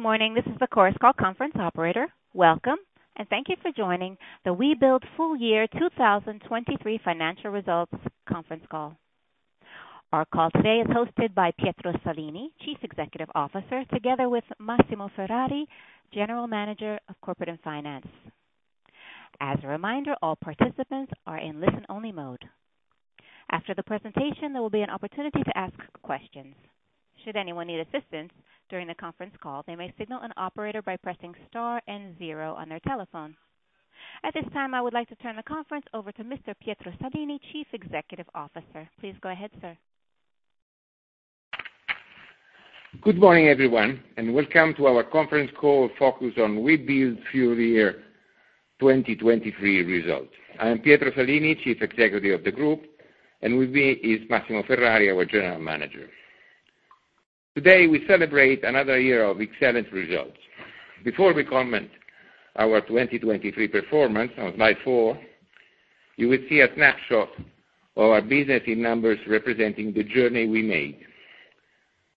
Good morning. This is the Chorus Call Conference Operator. Welcome, and thank you for joining the Webuild Full Year 2023 Financial Results Conference Call. Our call today is hosted by Pietro Salini, Chief Executive Officer, together with Massimo Ferrari, General Manager of Corporate and Finance. As a reminder, all participants are in listen-only mode. After the presentation, there will be an opportunity to ask questions. Should anyone need assistance during the conference call, they may signal an operator by pressing star and zero on their telephone. At this time, I would like to turn the conference over to Mr. Pietro Salini, Chief Executive Officer. Please go ahead, sir. Good morning, everyone, and welcome to our conference call focused on Webuild full-year 2023 results. I am Pietro Salini, Chief Executive of the group, and with me is Massimo Ferrari, our General Manager. Today we celebrate another year of excellent results. Before we comment on our 2023 performance on slide 4, you will see a snapshot of our business in numbers representing the journey we made.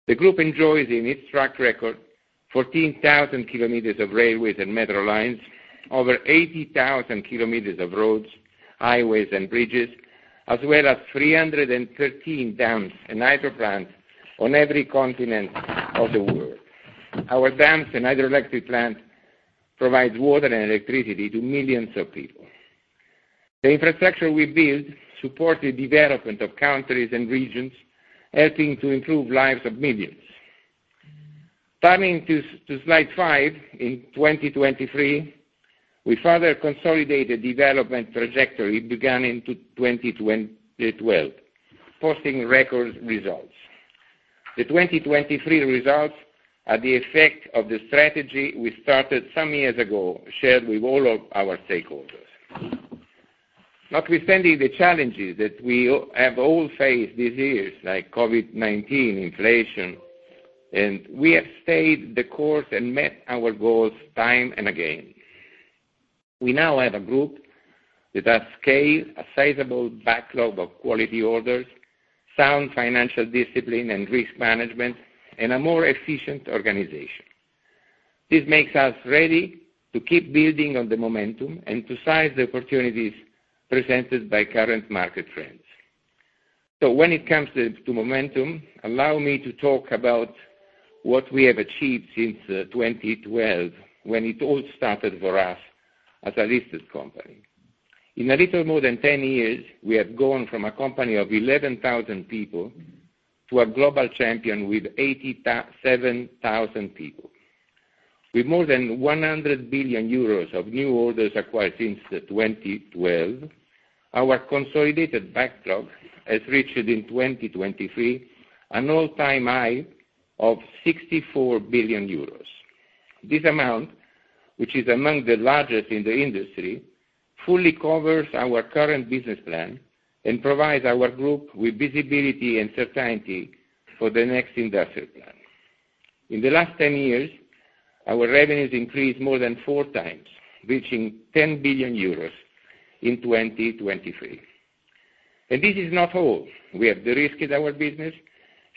The group enjoys in its track record 14,000 km of railways and metro lines, over 80,000 km of roads, highways, and bridges, as well as 313 dams and hydroplants on every continent of the world. Our dams and hydroelectric plants provide water and electricity to millions of people. The infrastructure we build supports the development of countries and regions, helping to improve lives of millions. Turning to slide 5, in 2023, we further consolidate the development trajectory begun in 2012, posting record results. The 2023 results are the effect of the strategy we started some years ago, shared with all of our stakeholders. Notwithstanding the challenges that we have all faced these years, like COVID-19, inflation, we have stayed the course and met our goals time and again. We now have a group that has scaled, a sizable backlog of quality orders, sound financial discipline and risk management, and a more efficient organization. This makes us ready to keep building on the momentum and to size the opportunities presented by current market trends. So when it comes to momentum, allow me to talk about what we have achieved since 2012, when it all started for us as a listed company. In a little more than 10 years, we have gone from a company of 11,000 people to a global champion with 87,000 people. With more than 100 billion euros of new orders acquired since 2012, our consolidated backlog has reached in 2023 an all-time high of 64 billion euros. This amount, which is among the largest in the industry, fully covers our current business plan and provides our group with visibility and certainty for the next industrial plan. In the last 10 years, our revenues increased more than 4 times, reaching 10 billion euros in 2023. This is not all. We have de-risked our business,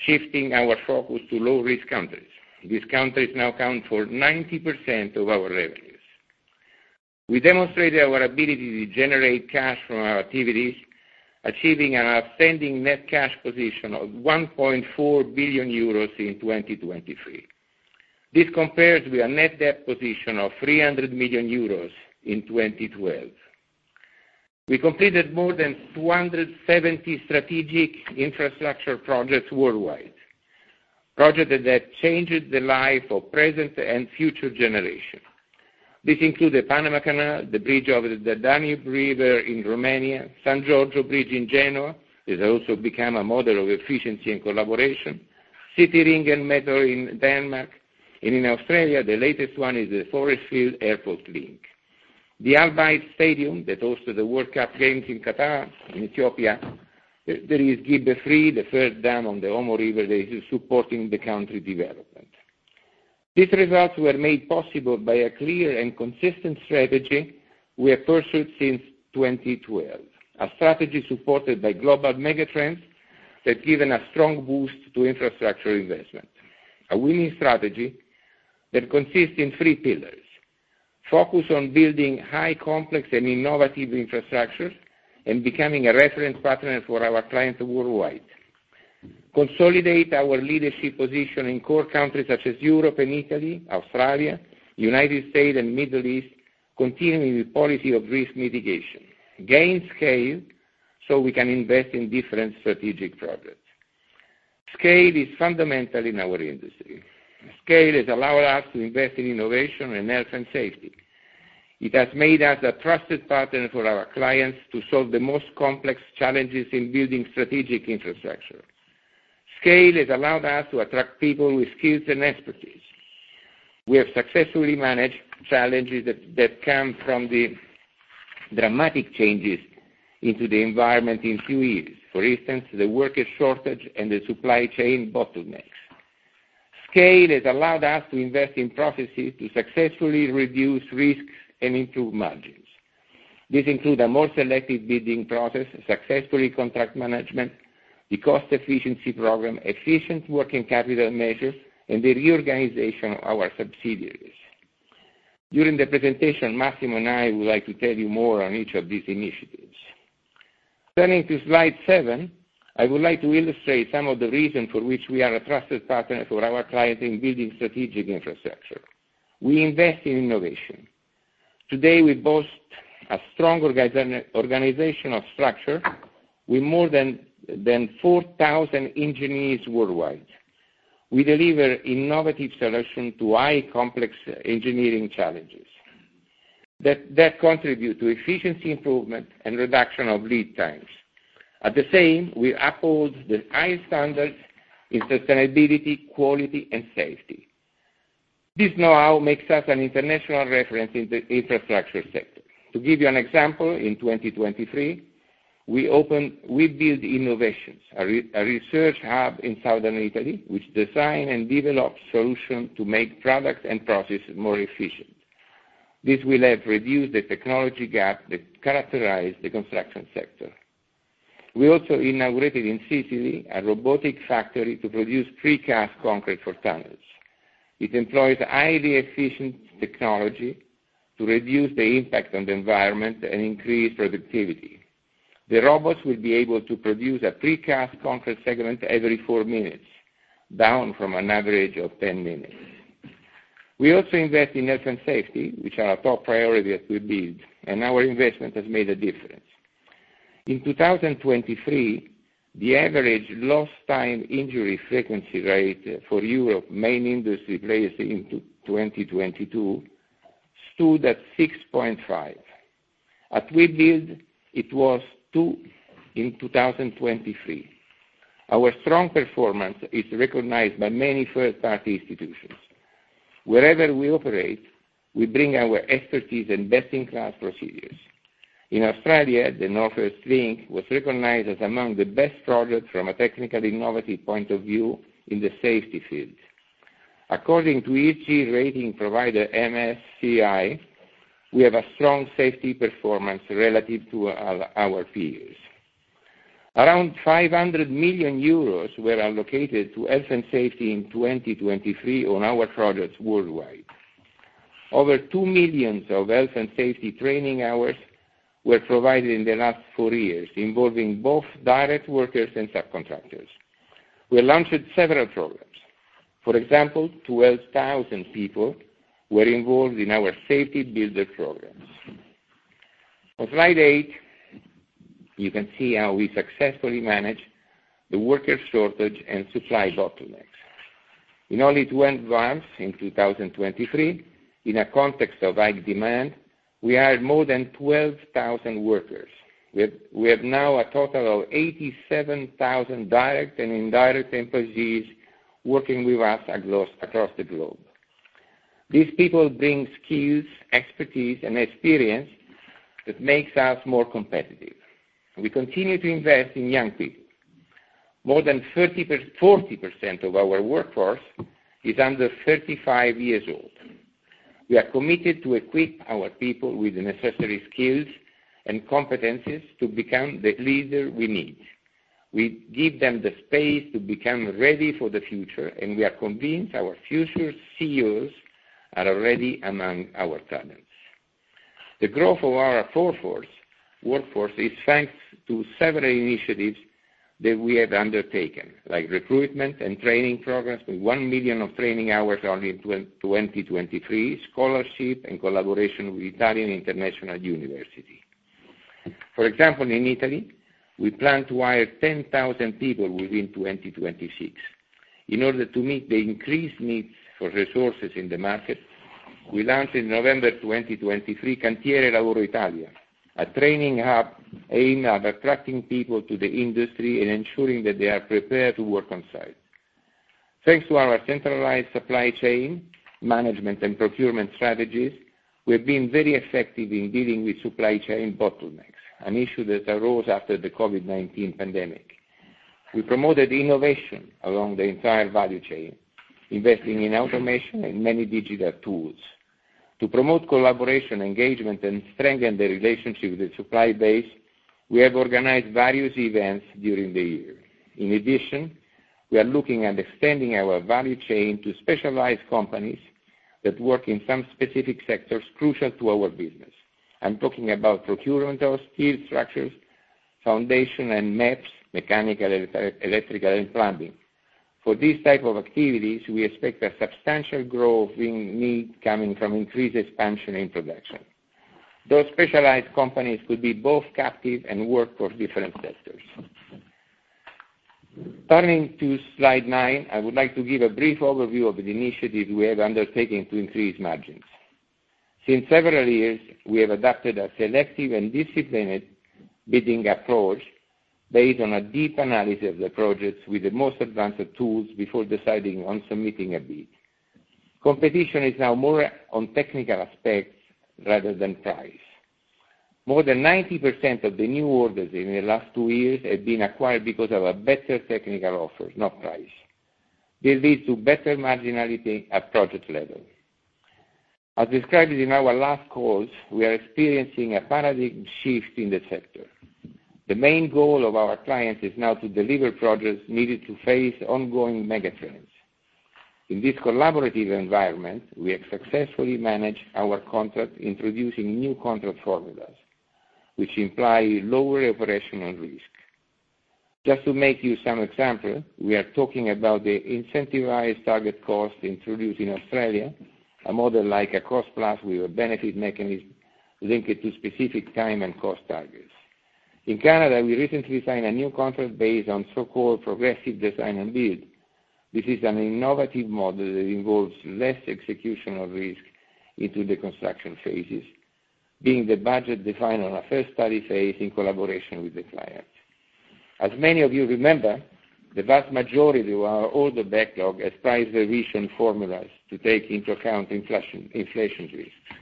shifting our focus to low-risk countries. These countries now account for 90% of our revenues. We demonstrated our ability to generate cash from our activities, achieving an outstanding net cash position of 1.4 billion euros in 2023. This compares with a net debt position of 300 million euros in 2012. We completed more than 270 strategic infrastructure projects worldwide, projects that changed the life of present and future generations. This includes the Panama Canal, the bridge over the Danube River in Romania, the San Giorgio Bridge in Genoa that has also become a model of efficiency and collaboration, the Cityringen in Denmark, and in Australia, the latest one is the Forestfield-Airport Link, the Al Bayt Stadium that hosted the World Cup Games in Qatar. In Ethiopia, there is Gibe III, the first dam on the Omo River that is supporting the country's development. These results were made possible by a clear and consistent strategy we have pursued since 2012, a strategy supported by global megatrends that have given a strong boost to infrastructure investment, a winning strategy that consists in three pillars: focus on building high-complex and innovative infrastructure and becoming a reference partner for our clients worldwide. Consolidate our leadership position in core countries such as Europe and Italy, Australia, the United States, and the Middle East, continuing the policy of risk mitigation. Gain scale so we can invest in different strategic projects. Scale is fundamental in our industry. Scale has allowed us to invest in innovation, health, and safety. It has made us a trusted partner for our clients to solve the most complex challenges in building strategic infrastructure. Scale has allowed us to attract people with skills and expertise. We have successfully managed challenges that come from the dramatic changes in the environment in few years, for instance, the worker shortage and the supply chain bottlenecks. Scale has allowed us to invest in processes to successfully reduce risks and improve margins. This includes a more selective bidding process, successful contract management, the cost-efficiency program, efficient working capital measures, and the reorganization of our subsidiaries. During the presentation, Massimo and I would like to tell you more on each of these initiatives. Turning to slide 7, I would like to illustrate some of the reasons for which we are a trusted partner for our clients in building strategic infrastructure. We invest in innovation. Today, we boast a strong organizational structure with more than 4,000 engineers worldwide. We deliver innovative solutions to high-complex engineering challenges that contribute to efficiency improvement and reduction of lead times. At the same, we uphold the highest standards in sustainability, quality, and safety. This know-how makes us an international reference in the infrastructure sector. To give you an example, in 2023, we built Innovazione, a research hub in southern Italy, which designed and developed solutions to make products and processes more efficient. This will help reduce the technology gap that characterized the construction sector. We also inaugurated in Sicily a robotic factory to produce precast concrete for tunnels. It employs highly efficient technology to reduce the impact on the environment and increase productivity. The robots will be able to produce a precast concrete segment every four minutes, down from an average of 10 minutes. We also invest in health and safety, which are a top priority that we built, and our investment has made a difference. In 2023, the average lost-time injury frequency rate for Europe's main industry players in 2022 stood at 6.5. At Webuild, it was 2 in 2023. Our strong performance is recognized by many third-party institutions. Wherever we operate, we bring our expertise and best-in-class procedures. In Australia, the Northwest Link was recognized as among the best projects from a technical innovative point of view in the safety field. According to ESG rating provider MSCI, we have a strong safety performance relative to our peers. Around 500 million euros were allocated to health and safety in 2023 on our projects worldwide. Over 2 million of health and safety training hours were provided in the last four years, involving both direct workers and subcontractors. We launched several programs. For example, 12,000 people were involved in our Safety Builders programs. On slide 8, you can see how we successfully managed the worker shortage and supply bottlenecks. In only 12 months in 2023, in a context of high demand, we hired more than 12,000 workers. We have now a total of 87,000 direct and indirect employees working with us across the globe. These people bring skills, expertise, and experience that makes us more competitive. We continue to invest in young people. More than 40% of our workforce is under 35 years old. We are committed to equip our people with the necessary skills and competencies to become the leaders we need. We give them the space to become ready for the future, and we are convinced our future CEOs are already among our talents. The growth of our core workforce is thanks to several initiatives that we have undertaken, like recruitment and training programs with 1 million training hours only in 2023, scholarship, and collaboration with Italian international universities. For example, in Italy, we plan to hire 10,000 people within 2026. In order to meet the increased needs for resources in the market, we launched in November 2023 Cantiere Lavoro Italia, a training hub aimed at attracting people to the industry and ensuring that they are prepared to work on site. Thanks to our centralized supply chain management and procurement strategies, we have been very effective in dealing with supply chain bottlenecks, an issue that arose after the COVID-19 pandemic. We promoted innovation along the entire value chain, investing in automation and many digital tools. To promote collaboration, engagement, and strengthen the relationship with the supply base, we have organized various events during the year. In addition, we are looking at extending our value chain to specialized companies that work in some specific sectors crucial to our business. I'm talking about procurement of steel structures, foundation, and MEPs, mechanical, electrical, and plumbing. For these types of activities, we expect a substantial growth in need coming from increased expansion in production. Those specialized companies could be both captive and work for different sectors. Turning to slide 9, I would like to give a brief overview of the initiatives we have undertaken to increase margins. Since several years, we have adopted a selective and disciplined bidding approach based on a deep analysis of the projects with the most advanced tools before deciding on submitting a bid. Competition is now more on technical aspects rather than price. More than 90% of the new orders in the last two years have been acquired because of a better technical offer, not price. This leads to better marginality at project level. As described in our last calls, we are experiencing a paradigm shift in the sector. The main goal of our clients is now to deliver projects needed to face ongoing megatrends. In this collaborative environment, we have successfully managed our contract, introducing new contract formulas, which imply lower operational risk. Just to make you some examples, we are talking about the Incentivized Target Cost introduced in Australia, a model like a cost-plus with a benefit mechanism linked to specific time and cost targets. In Canada, we recently signed a new contract based on so-called Progressive Design and Build. This is an innovative model that involves less execution of risk into the construction phases, being the budget defined on a first study phase in collaboration with the client. As many of you remember, the vast majority of our order backlog has price variation formulas to take into account inflation risks.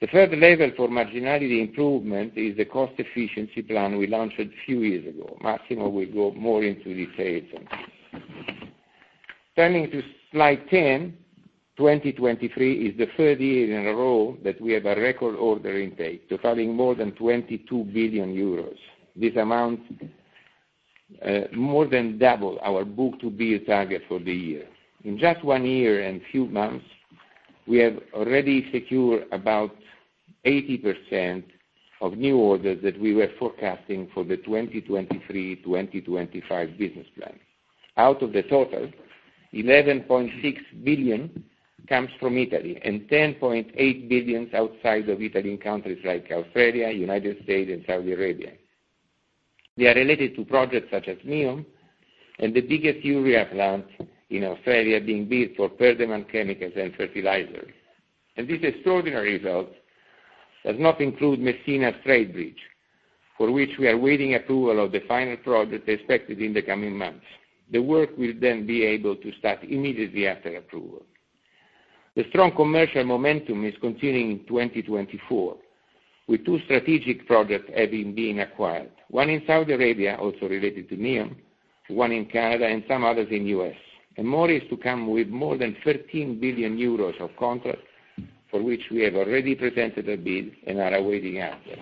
The third level for marginality improvement is the cost-efficiency plan we launched a few years ago. Massimo will go more into details on this. Turning to slide 10, 2023 is the third year in a row that we have a record order intake totaling more than 22 billion euros. This amount more than doubled our book-to-bill target for the year. In just one year and a few months, we have already secured about 80% of new orders that we were forecasting for the 2023-2025 business plan. Out of the total, 11.6 billion comes from Italy and 10.8 billion outside of Italian countries like Australia, the United States, and Saudi Arabia. They are related to projects such as NEOM and the biggest urea plant in Australia being built for Perdaman Chemicals and Fertilizers. These extraordinary results do not include Messina Strait Bridge, for which we are waiting approval of the final project expected in the coming months. The work will then be able to start immediately after approval. The strong commercial momentum is continuing in 2024, with two strategic projects having been acquired, one in Saudi Arabia, also related to NEOM, one in Canada, and some others in the U.S. More is to come with more than 13 billion euros of contracts for which we have already presented a bid and are awaiting answers.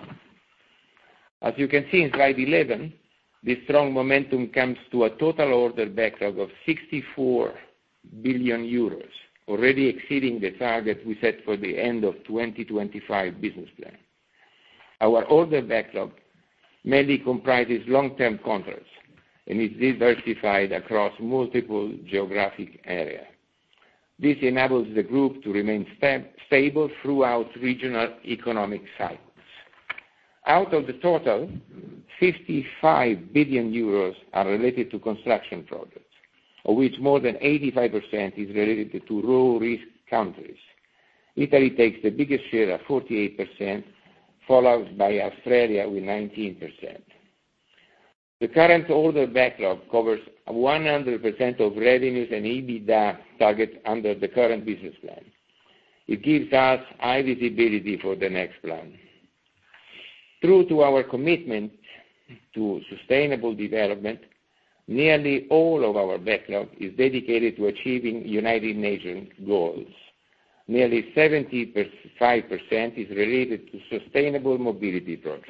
As you can see in slide 11, this strong momentum comes to a total order backlog of 64 billion euros, already exceeding the target we set for the end of the 2025 business plan. Our order backlog mainly comprises long-term contracts and is diversified across multiple geographic areas. This enables the group to remain stable throughout regional economic cycles. Out of the total, 55 billion euros are related to construction projects, of which more than 85% is related to low-risk countries. Italy takes the biggest share of 48%, followed by Australia with 19%. The current order backlog covers 100% of revenues and EBITDA targets under the current business plan. It gives us high visibility for the next plan. True to our commitment to sustainable development, nearly all of our backlog is dedicated to achieving United Nations goals. Nearly 75% is related to sustainable mobility projects.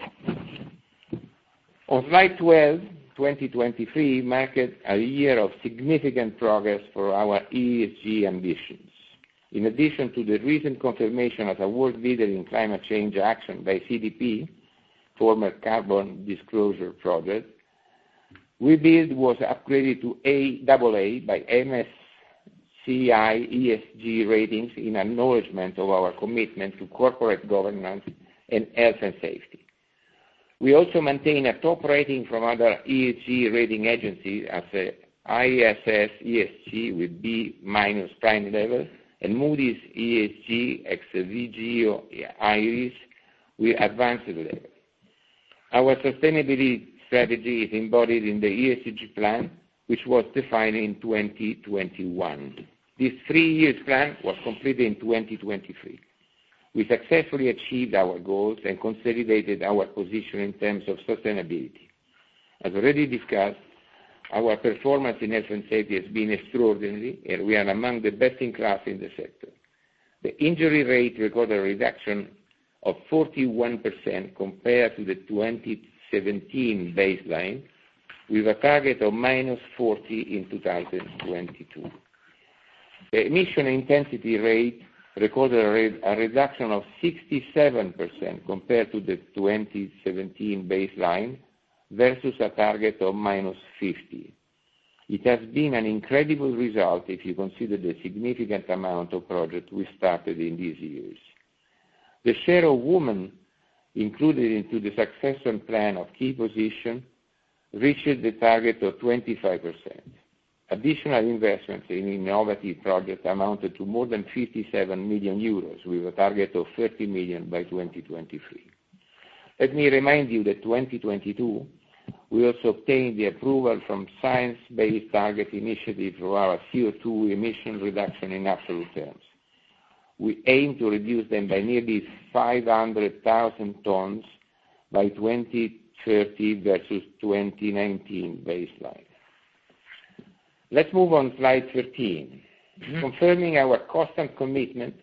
On slide 12, 2023 marked a year of significant progress for our ESG ambitions. In addition to the recent confirmation as a world leader in climate change action by CDP, former Carbon Disclosure Project, Webuild was upgraded to AA by MSCI ESG ratings in acknowledgment of our commitment to corporate governance and health and safety. We also maintain a top rating from other ESG rating agencies as ISS ESG with B- prime level and Moody's ESG ex Vigeo Eiris with advanced level. Our sustainability strategy is embodied in the ESG plan, which was defined in 2021. This three-year plan was completed in 2023. We successfully achieved our goals and consolidated our position in terms of sustainability. As already discussed, our performance in health and safety has been extraordinary, and we are among the best-in-class in the sector. The injury rate recorded a reduction of 41% compared to the 2017 baseline, with a target of -40% in 2022. The emission intensity rate recorded a reduction of 67% compared to the 2017 baseline versus a target of -50%. It has been an incredible result if you consider the significant amount of projects we started in these years. The share of women included into the succession plan of key positions reached the target of 25%. Additional investments in innovative projects amounted to more than 57 million euros, with a target of 30 million by 2023. Let me remind you that in 2022, we also obtained the approval from Science Based Targets initiative for our CO2 emission reduction in absolute terms. We aim to reduce them by nearly 500,000 tons by 2030 versus the 2019 baseline. Let's move on to slide 13. Confirming our constant commitment,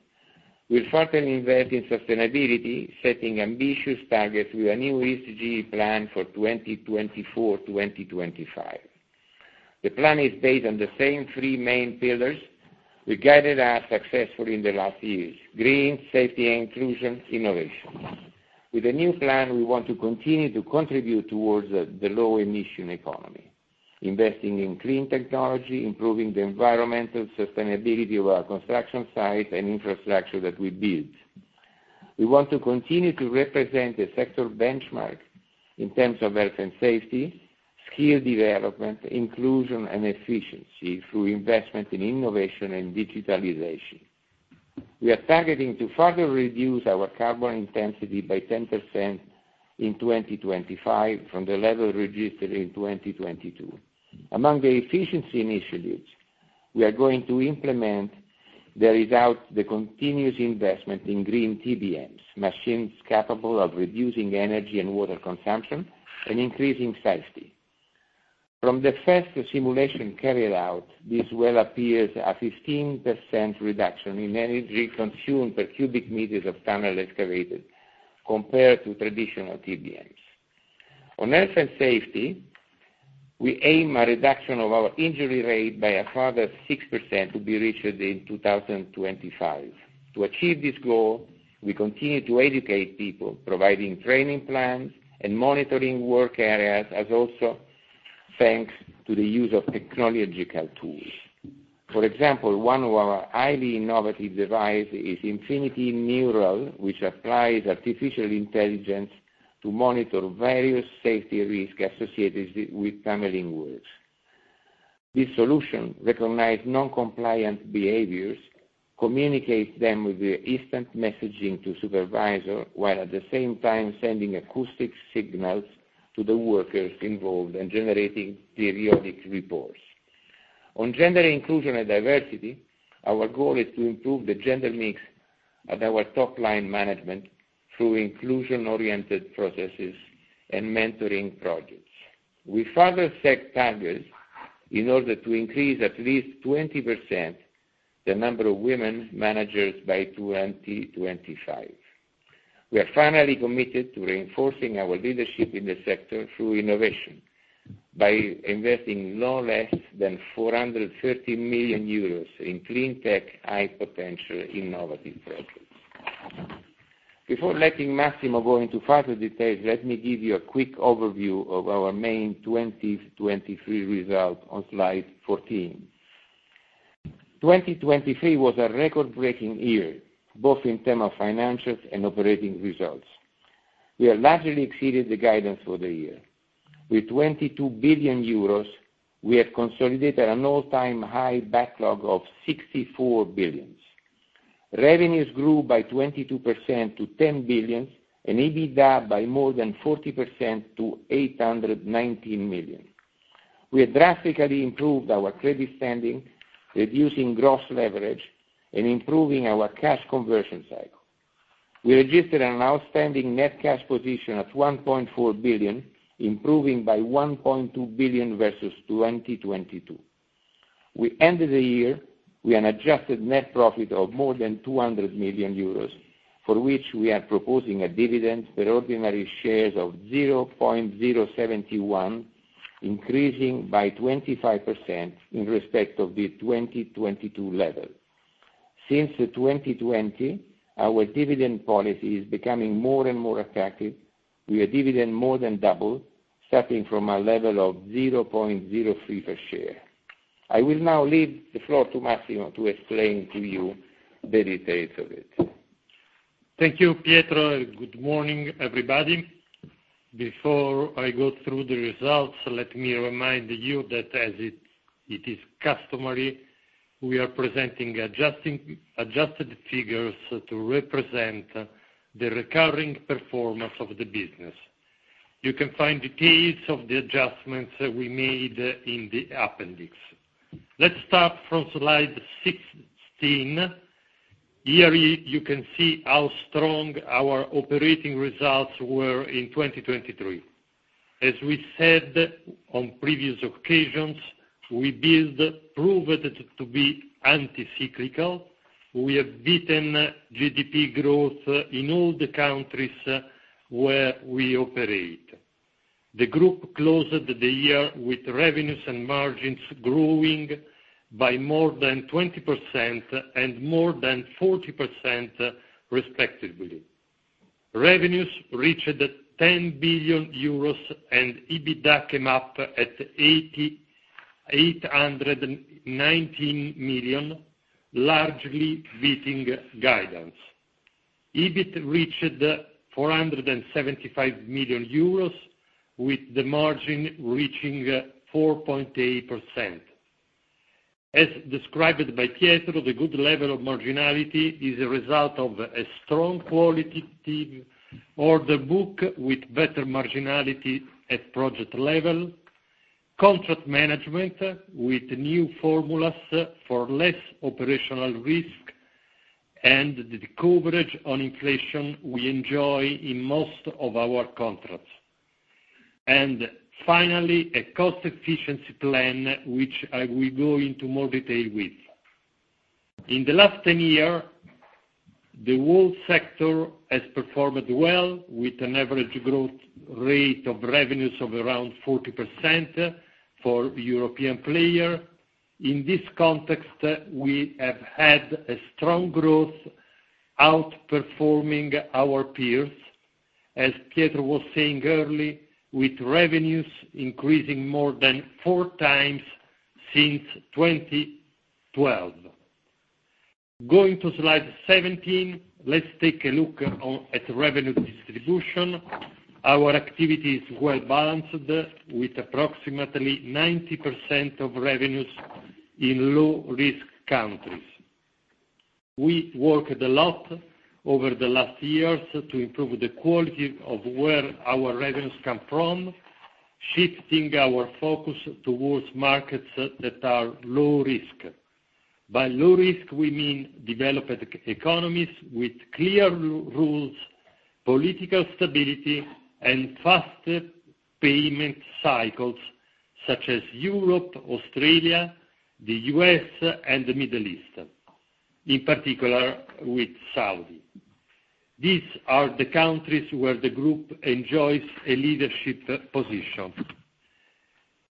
we will further invest in sustainability, setting ambitious targets with a new ESG plan for 2024-2025. The plan is based on the same three main pillars we guided ourselves successfully in the last years: green, safety, and inclusion innovation. With the new plan, we want to continue to contribute towards the low-emission economy, investing in clean technology, improving the environmental sustainability of our construction sites and infrastructure that we build. We want to continue to represent a sector benchmark in terms of health and safety, skill development, inclusion, and efficiency through investment in innovation and digitalization. We are targeting to further reduce our carbon intensity by 10% in 2025 from the level registered in 2022. Among the efficiency initiatives, we are going to implement there is our continuous investment in Green TBMs, machines capable of reducing energy and water consumption and increasing safety. From the first simulation carried out, this well appears a 15% reduction in energy consumed per cubic meters of tunnel excavated compared to traditional TBMs. On health and safety, we aim a reduction of our injury rate by a further 6% to be reached in 2025. To achieve this goal, we continue to educate people, providing training plans and monitoring work areas, as also thanks to the use of technological tools. For example, one of our highly innovative devices is Infinity Neural, which applies artificial intelligence to monitor various safety risks associated with tunneling works. This solution recognizes non-compliant behaviors, communicates them with instant messaging to the supervisor, while at the same time sending acoustic signals to the workers involved and generating periodic reports. On gender inclusion and diversity, our goal is to improve the gender mix at our top-line management through inclusion-oriented processes and mentoring projects. We further set targets in order to increase at least 20% the number of women managers by 2025. We are finally committed to reinforcing our leadership in the sector through innovation by investing no less than 430 million euros in clean tech, high-potential, innovative projects. Before letting Massimo go into further details, let me give you a quick overview of our main 2023 result on slide 14. 2023 was a record-breaking year, both in terms of financials and operating results. We have largely exceeded the guidance for the year. With 22 billion euros, we have consolidated an all-time high backlog of 64 billion. Revenues grew by 22% to 10 billion and EBITDA by more than 40% to 819 million. We have drastically improved our credit standing, reducing gross leverage, and improving our cash conversion cycle. We registered an outstanding net cash position at 1.4 billion, improving by 1.2 billion versus 2022. We ended the year with an adjusted net profit of more than 200 million euros, for which we are proposing a dividend per ordinary shares of 0.071%, increasing by 25% in respect of the 2022 level. Since 2020, our dividend policy is becoming more and more attractive. We have dividend more than doubled, starting from a level of 0.03% per share. I will now leave the floor to Massimo to explain to you the details of it. Thank you, Pietro, and good morning, everybody. Before I go through the results, let me remind you that as it is customary, we are presenting adjusted figures to represent the recurring performance of the business. You can find details of the adjustments we made in the appendix. Let's start from slide 16. Here, you can see how strong our operating results were in 2023. As we said on previous occasions, Webuild proved to be anti-cyclical. We have beaten GDP growth in all the countries where we operate. The group closed the year with revenues and margins growing by more than 20% and more than 40% respectively. Revenues reached 10 billion euros and EBITDA came up at 819 million, largely beating guidance. EBIT reached 475 million euros, with the margin reaching 4.8%. As described by Pietro, the good level of marginality is a result of a strong qualitative order book with better marginality at project level, contract management with new formulas for less operational risk, and the coverage on inflation we enjoy in most of our contracts. And finally, a cost efficiency plan, which we will go into more detail with. In the last 10 years, the whole sector has performed well, with an average growth rate of revenues of around 40% for European players. In this context, we have had a strong growth, outperforming our peers, as Pietro was saying early, with revenues increasing more than 4 times since 2012. Going to slide 17, let's take a look at revenue distribution. Our activity is well balanced, with approximately 90% of revenues in low-risk countries. We worked a lot over the last years to improve the quality of where our revenues come from, shifting our focus towards markets that are low-risk. By low-risk, we mean developed economies with clear rules, political stability, and faster payment cycles such as Europe, Australia, the U.S., and the Middle East, in particular with Saudi. These are the countries where the group enjoys a leadership position.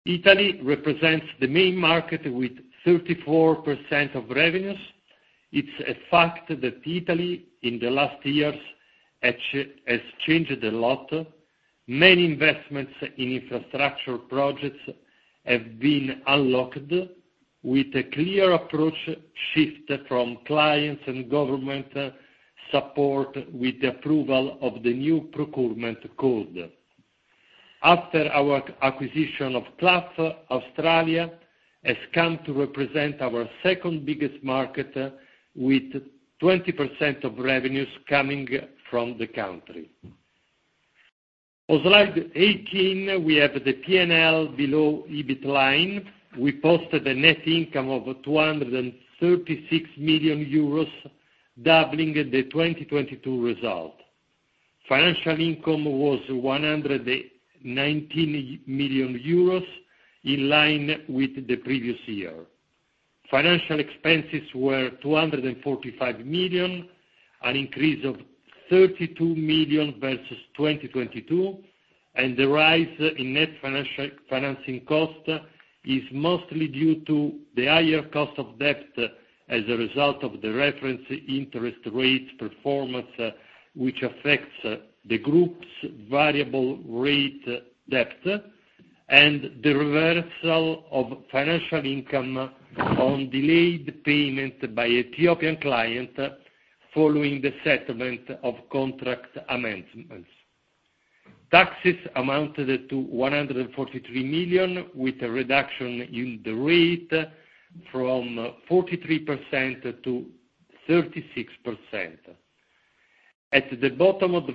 Italy represents the main market with 34% of revenues. It's a fact that Italy, in the last years, has changed a lot. Many investments in infrastructure projects have been unlocked, with a clear approach shift from clients and government support with the approval of the new procurement code. After our acquisition of Clough, Australia has come to represent our second-biggest market, with 20% of revenues coming from the country. On slide 18, we have the P&L below EBIT line. We posted a net income of 236 million euros, doubling the 2022 result. Financial income was 119 million euros, in line with the previous year. Financial expenses were 245 million, an increase of 32 million versus 2022, and the rise in net financing cost is mostly due to the higher cost of debt as a result of the reference interest rate performance, which affects the group's variable-rate debt, and the reversal of financial income on delayed payment by Ethiopian clients following the settlement of contract amendments. Taxes amounted to 143 million, with a reduction in the rate from 43% to 36%. At the bottom of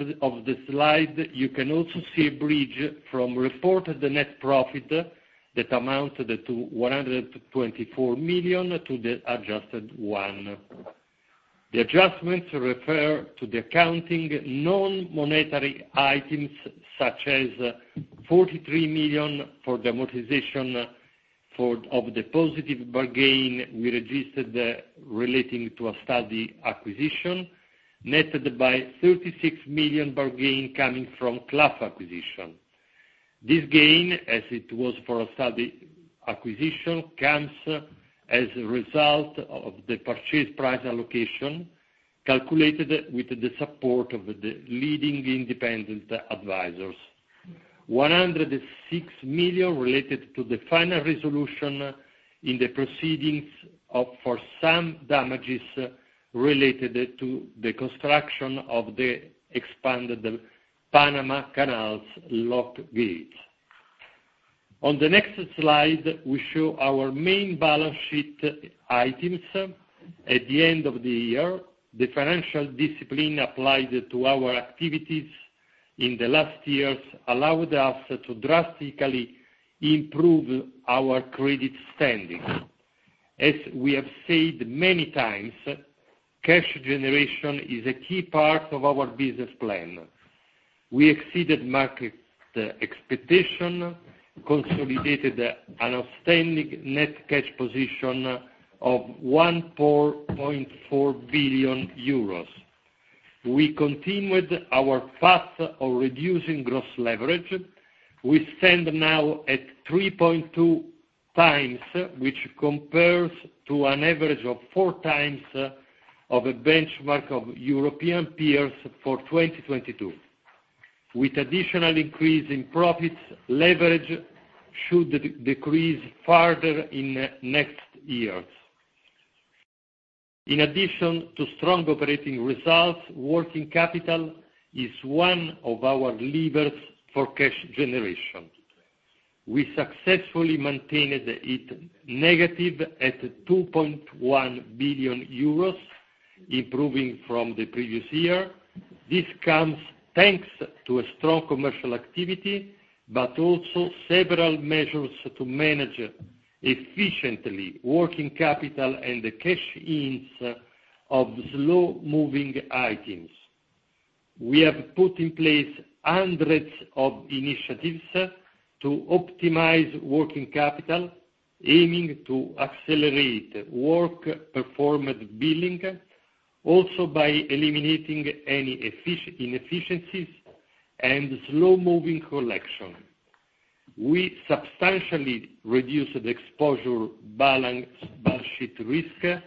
the slide, you can also see a bridge from reported net profit that amounted to 124 million to the adjusted one. The adjustments refer to the accounting non-monetary items, such as 43 million for the amortization of the positive bargain we registered relating to an Astaldi acquisition, netted by 36 million bargain coming from Clough acquisition. This gain, as it was for an Astaldi acquisition, comes as a result of the purchase price allocation, calculated with the support of the leading independent advisors. 106 million related to the final resolution in the proceedings for some damages related to the construction of the expanded Panama Canal's lock gate. On the next slide, we show our main balance sheet items. At the end of the year, the financial discipline applied to our activities in the last years allowed us to drastically improve our credit standing. As we have said many times, cash generation is a key part of our business plan. We exceeded market expectations, consolidated an outstanding net cash position of 1.4 billion euros. We continued our path of reducing gross leverage. We stand now at 3.2 times, which compares to an average of four times of a benchmark of European peers for 2022. With additional increase in profits, leverage should decrease further in the next years. In addition to strong operating results, working capital is one of our levers for cash generation. We successfully maintained it negative at 2.1 billion euros, improving from the previous year. This comes thanks to a strong commercial activity, but also several measures to manage efficiently working capital and the cash-ins of slow-moving items. We have put in place hundreds of initiatives to optimize working capital, aiming to accelerate work-performed billing, also by eliminating any inefficiencies and slow-moving collection. We substantially reduced the exposure balance sheet risk,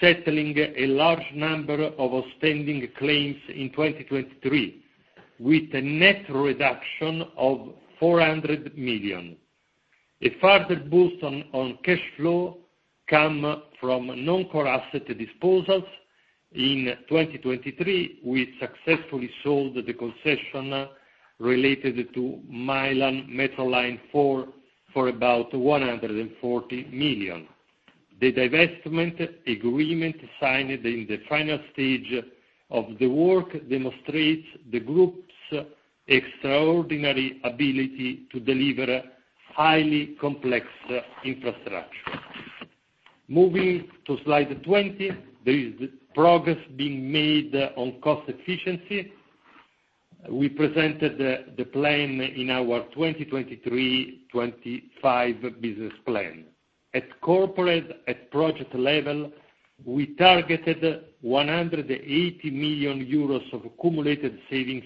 settling a large number of outstanding claims in 2023, with a net reduction of 400 million. A further boost on cash flow comes from non-core asset disposals. In 2023, we successfully sold the concession related to Milan Metro Line 4 for about 140 million. The divestment agreement signed in the final stage of the work demonstrates the group's extraordinary ability to deliver highly complex infrastructure. Moving to slide 20, there is progress being made on cost efficiency. We presented the plan in our 2023-2025 business plan. At corporate, at project level, we targeted 180 million euros of accumulated savings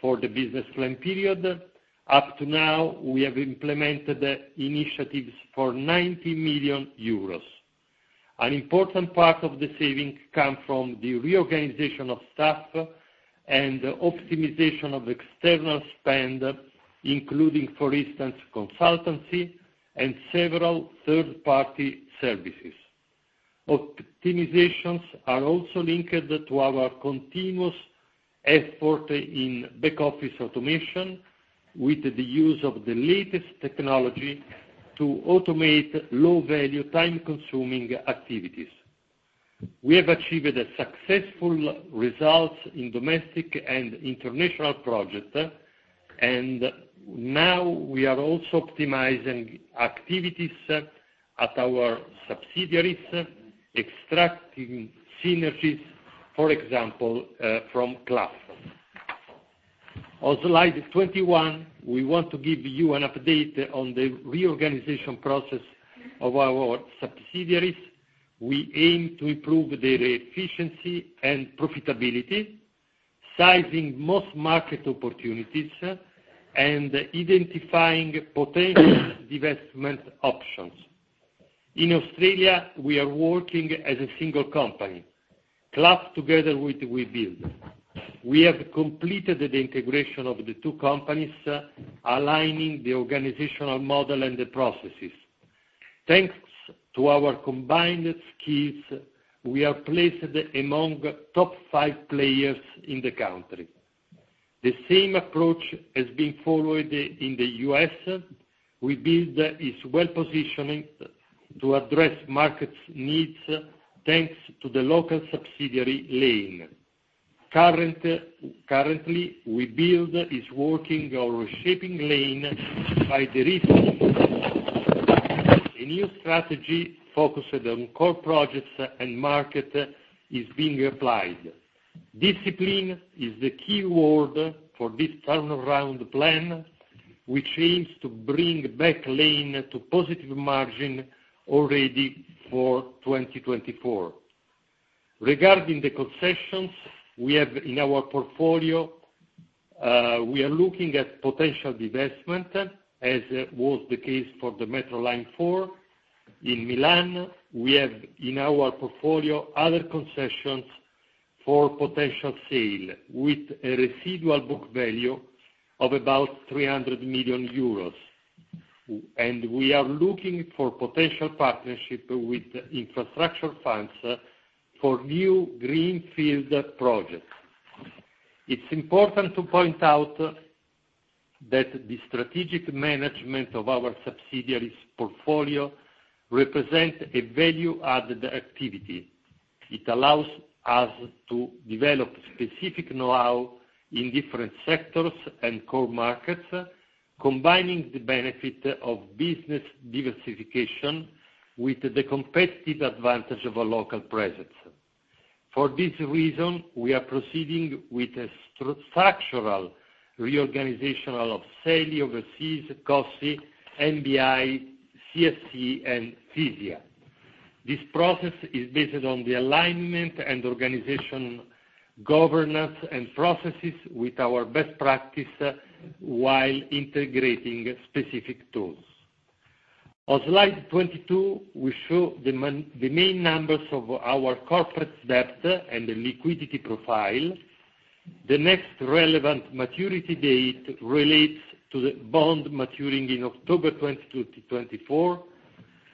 for the business plan period. Up to now, we have implemented initiatives for 90 million euros. An important part of the savings comes from the reorganization of staff and optimization of external spend, including, for instance, consultancy and several third-party services. Optimizations are also linked to our continuous effort in back-office automation, with the use of the latest technology to automate low-value, time-consuming activities. We have achieved successful results in domestic and international projects, and now we are also optimizing activities at our subsidiaries, extracting synergies, for example, from Clough. On slide 21, we want to give you an update on the reorganization process of our subsidiaries. We aim to improve their efficiency and profitability, sizing most market opportunities, and identifying potential divestment options. In Australia, we are working as a single company, Clough together with Webuild. We have completed the integration of the two companies, aligning the organizational model and the processes. Thanks to our combined skills, we are placed among the top five players in the country. The same approach has been followed in the U.S. Webuild is well positioned to address market needs thanks to the local subsidiary Lane. Currently, Webuild is working on reshaping Lane by the recent new strategy. A new strategy focused on core projects and market is being applied. Discipline is the key word for this turnaround plan, which aims to bring back Lane to positive margin already for 2024. Regarding the concessions we have in our portfolio, we are looking at potential divestment, as was the case for the Metro Line 4. In Milan, we have in our portfolio other concessions for potential sale, with a residual book value of about 300 million euros. We are looking for potential partnerships with infrastructure funds for new greenfield projects. It's important to point out that the strategic management of our subsidiaries' portfolio represents a value-added activity. It allows us to develop specific know-how in different sectors and core markets, combining the benefit of business diversification with the competitive advantage of a local presence. For this reason, we are proceeding with a structural reorganization of Seli Overseas, Cossi, NBI, CSC, and Fisia. This process is based on the alignment and organization governance and processes with our best practice while integrating specific tools. On slide 22, we show the main numbers of our corporate debt and the liquidity profile. The next relevant maturity date relates to the bond maturing in October 2024,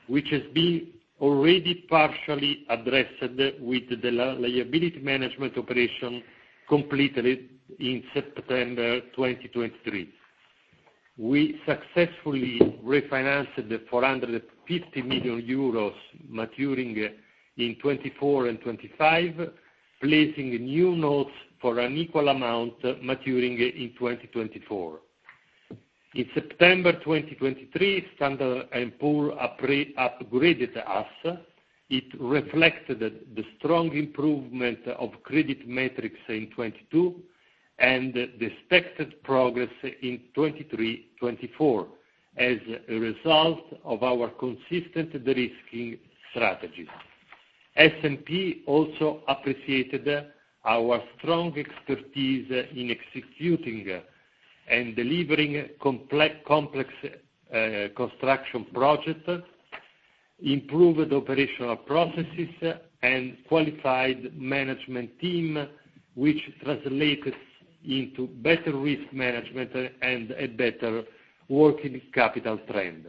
which has been already partially addressed with the liability management operation completed in September 2023. We successfully refinanced the 450 million euros maturing in 2024 and 2025, placing new notes for an equal amount maturing in 2024. In September 2023, Standard & Poor's upgraded us. It reflected the strong improvement of credit metrics in 2022 and the expected progress in 2023-2024 as a result of our consistent derisking strategies. S&P also appreciated our strong expertise in executing and delivering complex construction projects, improved operational processes, and qualified management team, which translated into better risk management and a better working capital trend.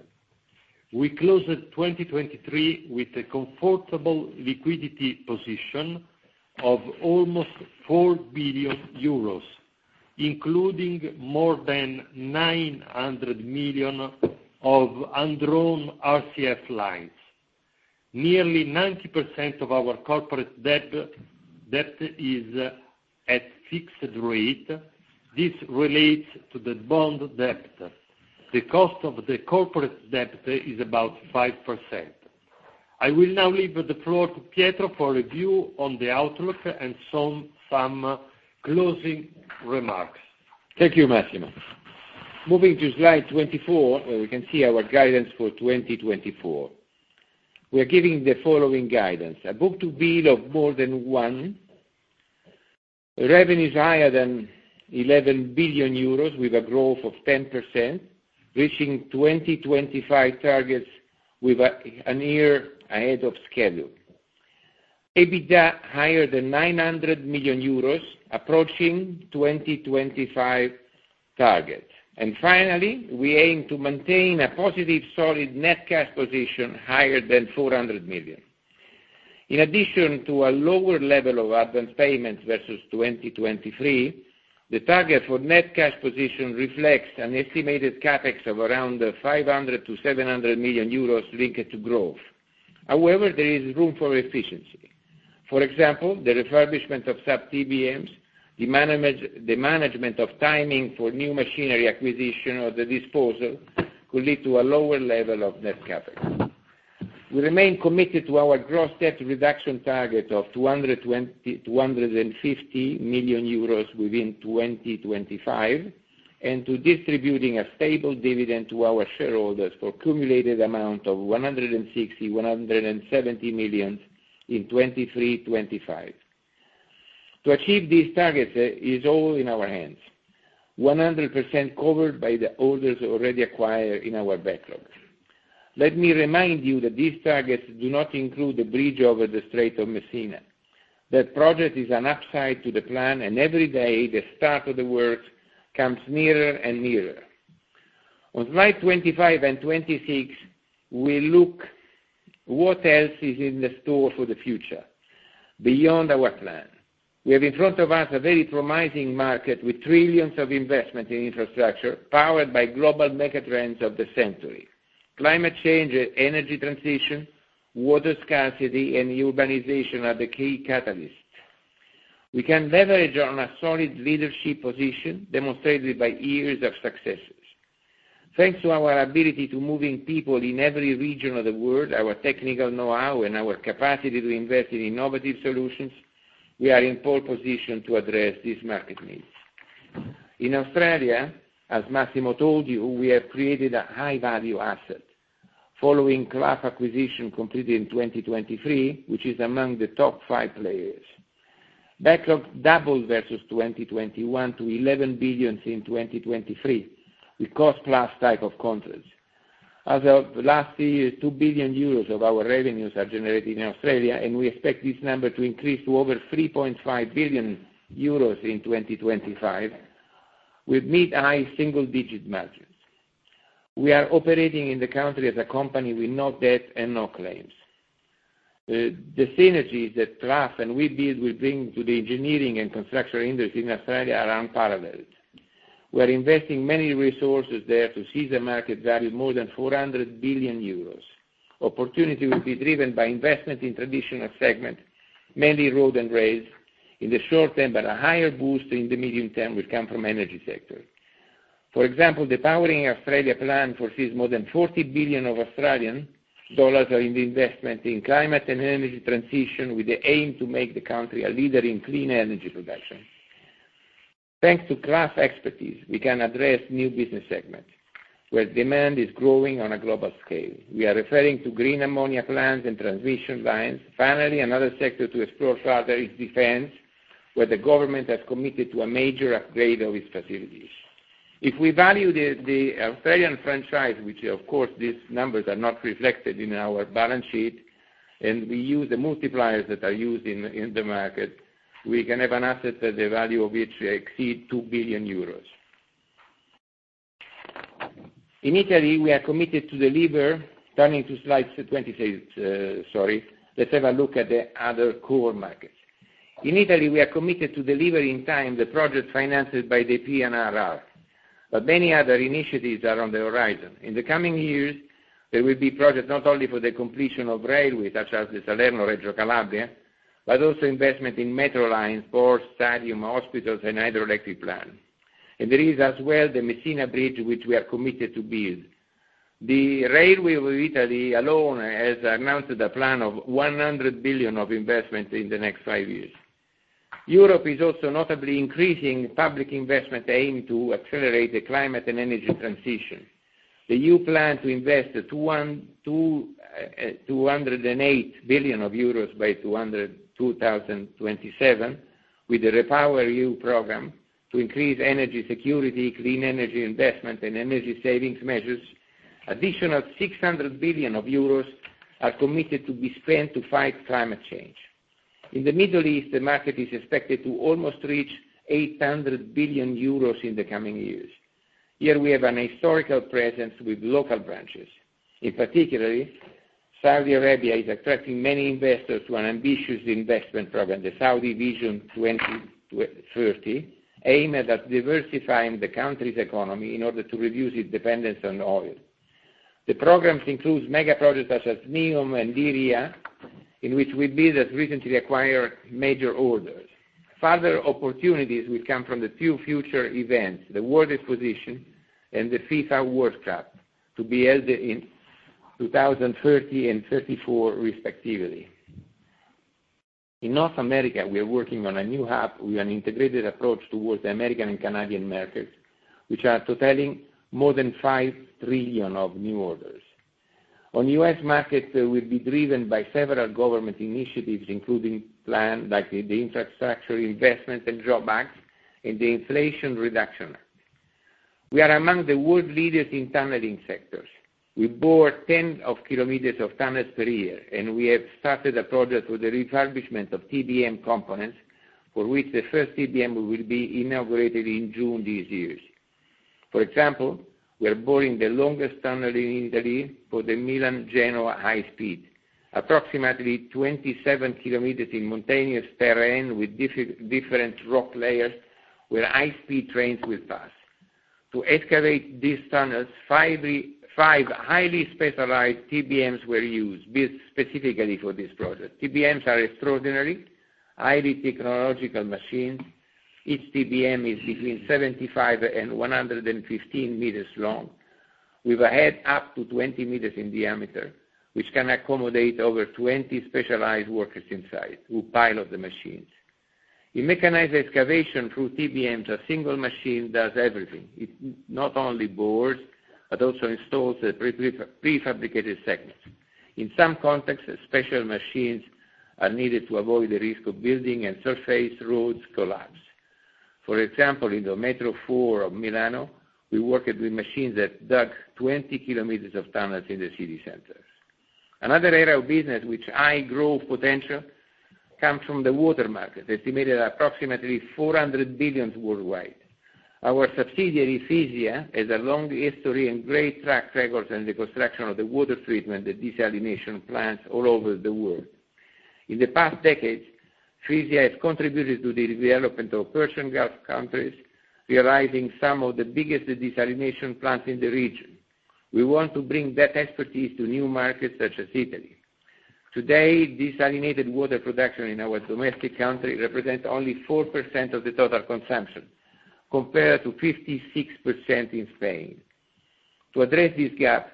We closed 2023 with a comfortable liquidity position of almost 4 billion euros, including more than 900 million of un-drawn RCF lines. Nearly 90% of our corporate debt is at fixed rate. This relates to the bond debt. The cost of the corporate debt is about 5%. I will now leave the floor to Pietro for a view on the outlook and some closing remarks. Thank you, Massimo. Moving to slide 24, where we can see our guidance for 2024. We are giving the following guidance: a book-to-bill of more than 1, revenues higher than 11 billion euros with a growth of 10%, reaching 2025 targets a year ahead of schedule, EBITDA higher than 900 million euros, approaching 2025 targets. Finally, we aim to maintain a positive, solid net cash position higher than 400 million. In addition to a lower level of advance payments versus 2023, the target for net cash position reflects an estimated CapEx of around 500 million-700 million euros linked to growth. However, there is room for efficiency. For example, the refurbishment of some TBMs, the management of timing for new machinery acquisition or the disposal could lead to a lower level of net CapEx. We remain committed to our gross debt reduction target of 250 million euros within 2025 and to distributing a stable dividend to our shareholders for a cumulated amount of 160 million-170 million in 2023-2025. To achieve these targets is all in our hands, 100% covered by the orders already acquired in our backlog. Let me remind you that these targets do not include the bridge over the Strait of Messina. That project is an upside to the plan, and every day the start of the work comes nearer and nearer. On slides 25 and 26, we look at what else is in store for the future beyond our plan. We have in front of us a very promising market with trillions of investment in infrastructure powered by global megatrends of the century. Climate change, energy transition, water scarcity, and urbanization are the key catalysts. We can leverage on a solid leadership position demonstrated by years of successes. Thanks to our ability to move people in every region of the world, our technical know-how, and our capacity to invest in innovative solutions, we are in pole position to address these market needs. In Australia, as Massimo told you, we have created a high-value asset, following Clough acquisition completed in 2023, which is among the top five players. Backlog doubled versus 2021 to 11 billion in 2023 with cost-plus type of contracts. As of last year, 2 billion euros of our revenues are generated in Australia, and we expect this number to increase to over 3.5 billion euros in 2025 with mid-high single-digit margins. We are operating in the country as a company with no debt and no claims. The synergies that Clough and Webuild will bring to the engineering and construction industry in Australia are unparalleled. We are investing many resources there to seize a market value of more than 400 billion euros. Opportunity will be driven by investment in traditional segments, mainly road and rail, in the short term, but a higher boost in the medium term will come from the energy sector. For example, the Powering Australia Plan forces more than 40 billion in the investment in climate and energy transition with the aim to make the country a leader in clean energy production. Thanks to Clough expertise, we can address new business segments where demand is growing on a global scale. We are referring to green ammonia plants and transmission lines. Finally, another sector to explore further is defense, where the government has committed to a major upgrade of its facilities. If we value the Australian franchise, which, of course, these numbers are not reflected in our balance sheet, and we use the multipliers that are used in the market, we can have an asset that the value of which exceeds 2 billion euros. In Italy, we are committed to deliver turning to slides 26. Sorry. Let's have a look at the other core markets. In Italy, we are committed to deliver in time the projects financed by the PNRR, but many other initiatives are on the horizon. In the coming years, there will be projects not only for the completion of railways, such as the Salerno-Reggio Calabria, but also investment in metro lines, ports, stadiums, hospitals, and hydroelectric plants. There is as well the Messina Bridge, which we are committed to build. The Railway of Italy alone has announced a plan of 100 billion of investment in the next five years. Europe is also notably increasing public investment aimed to accelerate the climate and energy transition. The EU planned to invest 208 billion euros by 2027 with the REPowerEU program to increase energy security, clean energy investment, and energy savings measures. Additional 600 billion euros are committed to be spent to fight climate change. In the Middle East, the market is expected to almost reach 800 billion euros in the coming years. Here, we have a historical presence with local branches. In particular, Saudi Arabia is attracting many investors to an ambitious investment program, the Saudi Vision 2030, aimed at diversifying the country's economy in order to reduce its dependence on oil. The programs include megaprojects such as NEOM and Diriyah, in which Webuild has recently acquired major orders. Further opportunities will come from the two future events, the World Exposition and the FIFA World Cup, to be held in 2030 and 2034, respectively. In North America, we are working on a new hub with an integrated approach towards the American and Canadian markets, which are totaling more than 5 trillion of new orders. On U.S. markets, we will be driven by several government initiatives, including plans like the Infrastructure Investment and Jobs Act, and the Inflation Reduction Act. We are among the world leaders in tunneling sectors. We bore tens of kilometers of tunnels per year, and we have started a project for the refurbishment of TBM components, for which the first TBM will be inaugurated in June this year. For example, we are boring the longest tunnel in Italy for the Milan-Genoa high-speed, approximately 27 kilometers in mountainous terrain with different rock layers where high-speed trains will pass. To excavate these tunnels, five highly specialized TBMs were used specifically for this project. TBMs are extraordinary, highly technological machines. Each TBM is between 75-115 m long, with a head up to 20 m in diameter, which can accommodate over 20 specialized workers inside who pile up the machines. In mechanized excavation through TBMs, a single machine does everything. It not only bores, but also installs the prefabricated segments. In some contexts, special machines are needed to avoid the risk of building and surface roads collapse. For example, in the Metro 4 of Milano, we worked with machines that dug 20 km of tunnels in the city center. Another area of business which high-growth potential comes from the water market, estimated at approximately 400 billion worldwide. Our subsidiary, Fisia, has a long history and great track record in the construction of the water treatment and desalination plants all over the world. In the past decades, Fisia has contributed to the development of Persian Gulf countries, realizing some of the biggest desalination plants in the region. We want to bring that expertise to new markets such as Italy. Today, desalinated water production in our domestic country represents only 4% of the total consumption, compared to 56% in Spain. To address this gap,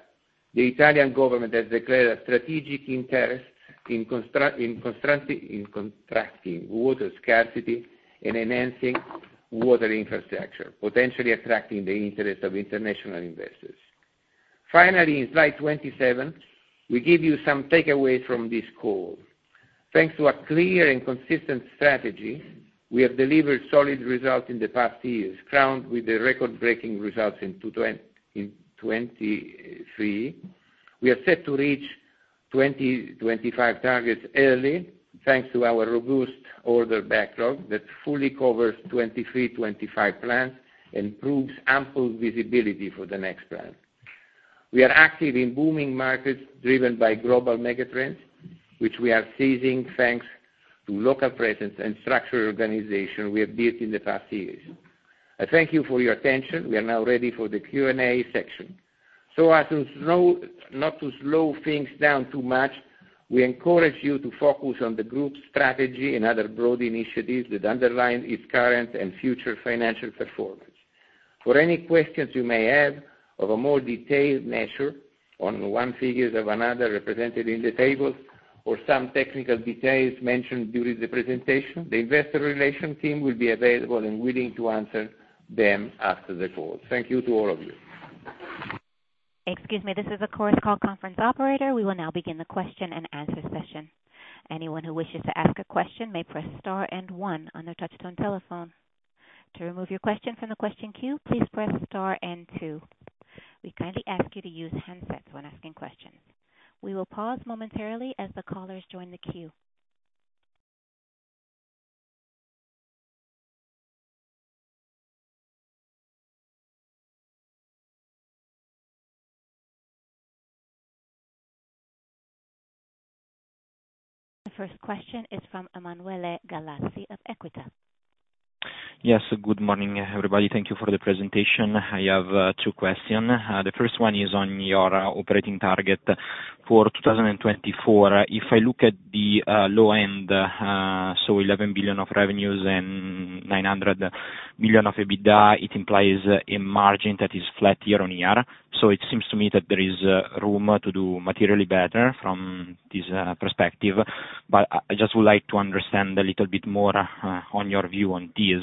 the Italian government has declared a strategic interest in contracting water scarcity and enhancing water infrastructure, potentially attracting the interest of international investors. Finally, in slide 27, we give you some takeaways from this call. Thanks to a clear and consistent strategy, we have delivered solid results in the past years, crowned with the record-breaking results in 2023. We are set to reach 2025 targets early thanks to our robust order backlog that fully covers 2023-2025 plans and proves ample visibility for the next plan. We are active in booming markets driven by global megatrends, which we are seizing thanks to local presence and structural organization we have built in the past years. I thank you for your attention. We are now ready for the Q&A section. So as not to slow things down too much, we encourage you to focus on the group's strategy and other broad initiatives that underline its current and future financial performance. For any questions you may have of a more detailed nature on one figure than another represented in the tables or some technical details mentioned during the presentation, the investor relations team will be available and willing to answer them after the call. Thank you to all of you. Excuse me. This is the conference call operator. We will now begin the question-and-answer session. Anyone who wishes to ask a question may press star and one on their touch-tone telephone. To remove your question from the question queue, please press star and two. We kindly ask you to use headsets when asking questions. We will pause momentarily as the callers join the queue. The first question is from Emanuele Gallazzi of Equita. Yes. Good morning, everybody. Thank you for the presentation. I have two questions. The first one is on your operating target for 2024. If I look at the low end, so 11 billion of revenues and 900 million of EBITDA, it implies a margin that is flat year-on-year. So it seems to me that there is room to do materially better from this perspective, but I just would like to understand a little bit more on your view on this.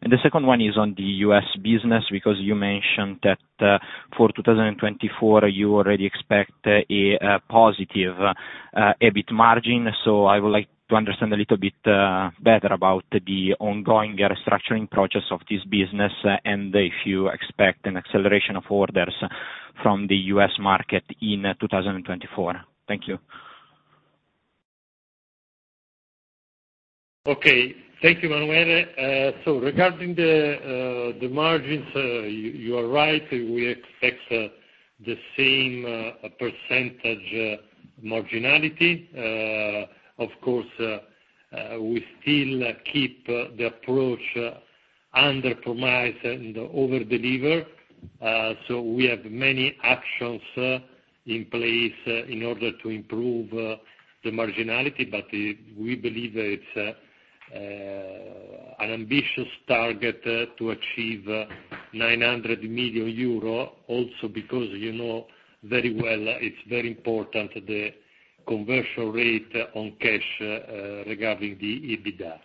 And the second one is on the U.S. business because you mentioned that for 2024, you already expect a positive EBIT margin. So I would like to understand a little bit better about the ongoing restructuring process of this business and if you expect an acceleration of orders from the U.S. market in 2024. Thank you. Okay. Thank you, Emanuele. So regarding the margins, you are right. We expect the same percentage marginality. Of course, we still keep the approach under-promise and over-deliver. So we have many actions in place in order to improve the marginality, but we believe it's an ambitious target to achieve 900 million euro, also because you know very well it's very important, the conversion rate on cash regarding the EBITDA.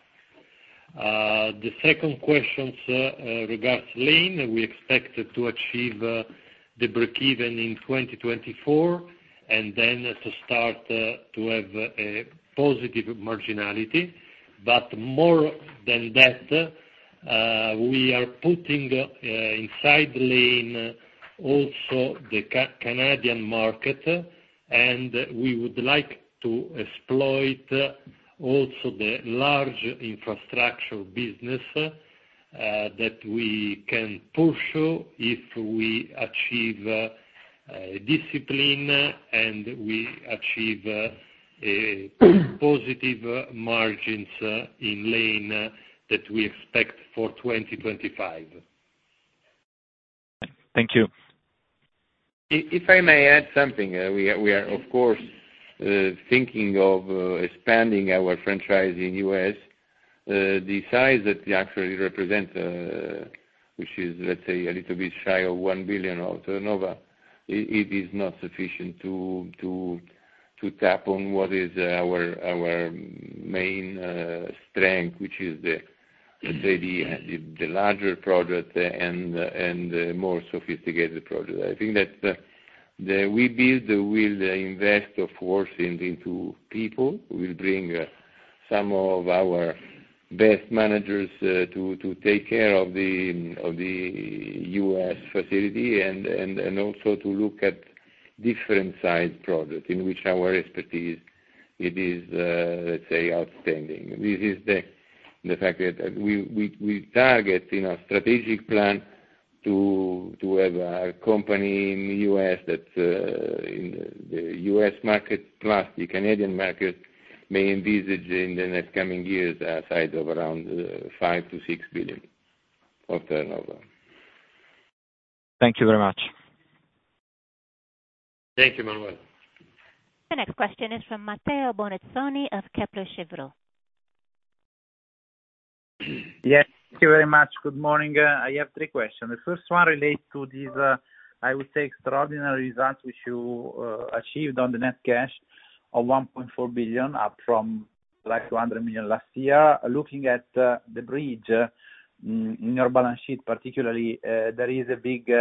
The second question regards Lane. We expect to achieve the break-even in 2024 and then to start to have a positive marginality. But more than that, we are putting inside Lane also the Canadian market, and we would like to exploit also the large infrastructure business that we can push if we achieve discipline and we achieve positive margins in Lane that we expect for 2025. Thank you. If I may add something, we are, of course, thinking of expanding our franchise in the U.S. The size that we actually represent, which is, let's say, a little bit shy of 1 billion of turnover, it is not sufficient to tap on what is our main strength, which is, let's say, the larger project and the more sophisticated project. I think that the Webuild will invest, of course, into people. We will bring some of our best managers to take care of the U.S. facility and also to look at different-sized projects in which our expertise is, let's say, outstanding. This is the fact that we target in our strategic plan to have a company in the U.S. that in the U.S. market plus the Canadian market may envisage in the next coming years a size of around 5 billion-6 billion of turnover. Thank you very much. Thank you, Emanuele. The next question is from Matteo Bonazzoni of Kepler Cheuvreux. Yes. Thank you very much. Good morning. I have three questions. The first one relates to these, I would say, extraordinary results which you achieved on the net cash of 1.4 billion, up from like 200 million last year. Looking at the bridge in your balance sheet, particularly, there is a big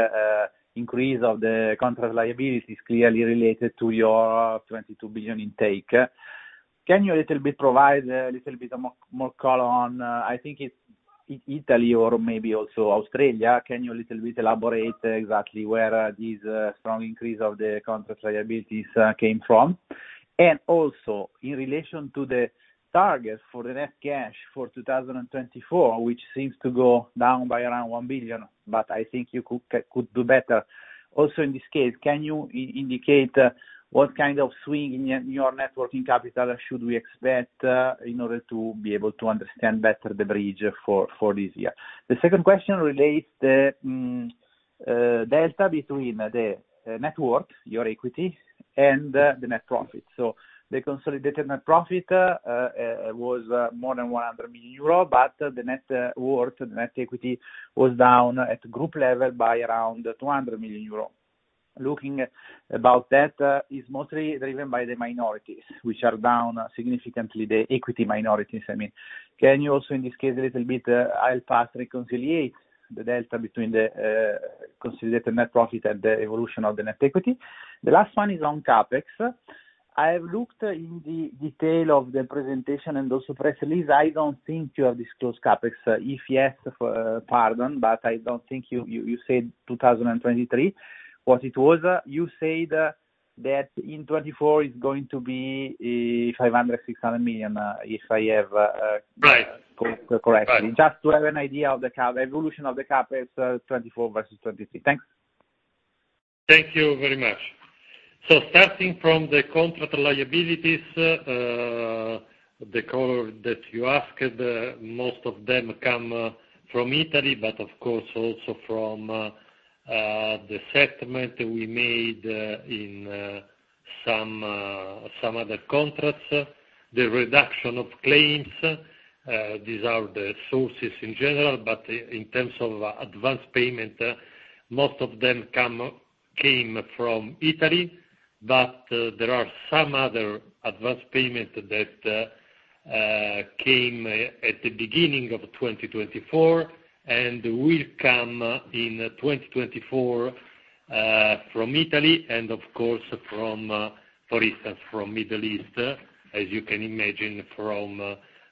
increase of the contract liabilities clearly related to your 22 billion intake. Can you a little bit provide a little bit more color on I think it's Italy or maybe also Australia. Can you a little bit elaborate exactly where this strong increase of the contract liabilities came from? And also, in relation to the target for the net cash for 2024, which seems to go down by around 1 billion, but I think you could do better. Also, in this case, can you indicate what kind of swing in your net working capital should we expect in order to be able to understand better the bridge for this year? The second question relates to the delta between the net worth, your equity, and the net profit. So the consolidated net profit was more than 100 million euro, but the net worth, the net equity, was down at group level by around 200 million euro. Looking at that is mostly driven by the minorities, which are down significantly, the equity minorities. I mean, can you also, in this case, a little bit please reconcile the delta between the consolidated net profit and the evolution of the net equity? The last one is on CapEx. I have looked in detail at the presentation and also press release. I don't think you have disclosed CapEx. If yes, pardon, but I don't think you said 2023 what it was. You said that in 2024 it's going to be 500 million, 600 million if I have correctly. Just to have an idea of the evolution of the CapEx 2024 versus 2023. Thanks. Thank you very much. So starting from the contract liabilities, the color that you asked, most of them come from Italy, but of course, also from the settlement we made in some other contracts, the reduction of claims. These are the sources in general, but in terms of advance payment, most of them came from Italy, but there are some other advance payments that came at the beginning of 2024 and will come in 2024 from Italy and, of course, for instance, from the Middle East, as you can imagine, from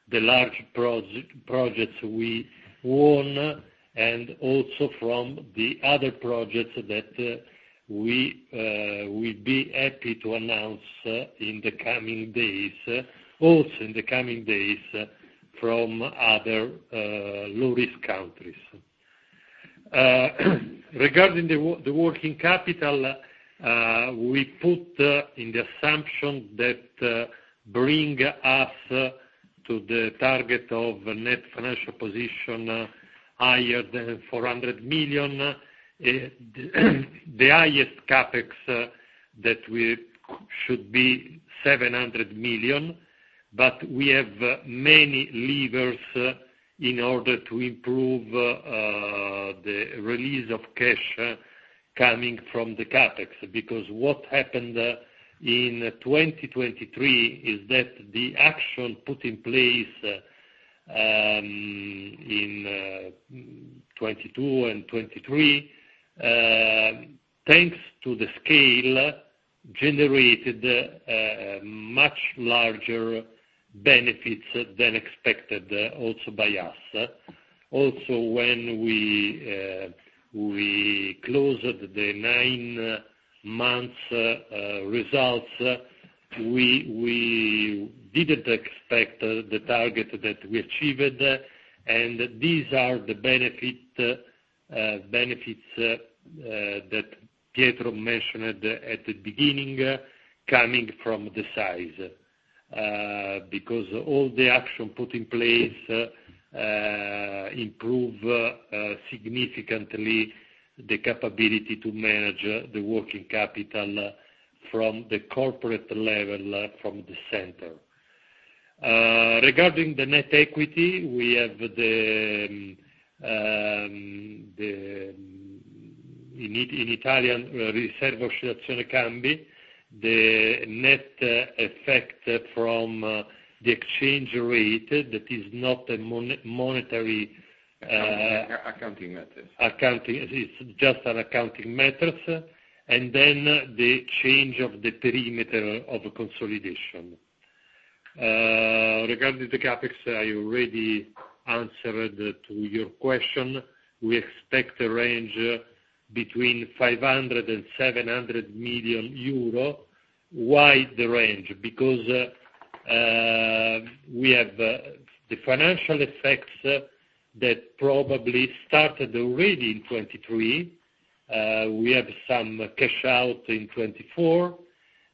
the large projects we won and also from the other projects that we will be happy to announce in the coming days, also in the coming days, from other low-risk countries. Regarding the working capital, we put in the assumption that bring us to the target of net financial position higher than 400 million. The highest CapEx that we should be 700 million, but we have many levers in order to improve the release of cash coming from the CapEx because what happened in 2023 is that the action put in place in 2022 and 2023, thanks to the scale, generated much larger benefits than expected also by us. Also, when we closed the nine-month results, we didn't expect the target that we achieved, and these are the benefits that Pietro mentioned at the beginning coming from the size because all the action put in place improved significantly the capability to manage the working capital from the corporate level from the center. Regarding the net equity, we have the in Italian, Riserva Oscillazione Cambi, the net effect from the exchange rate that is not a monetary. Accounting matters. Accounting. It's just an accounting matters, and then the change of the perimeter of consolidation. Regarding the CapEx, I already answered to your question. We expect a range between 500 million euro and 700 million euro. Why the range? Because we have the financial effects that probably started already in 2023. We have some cash out in 2024,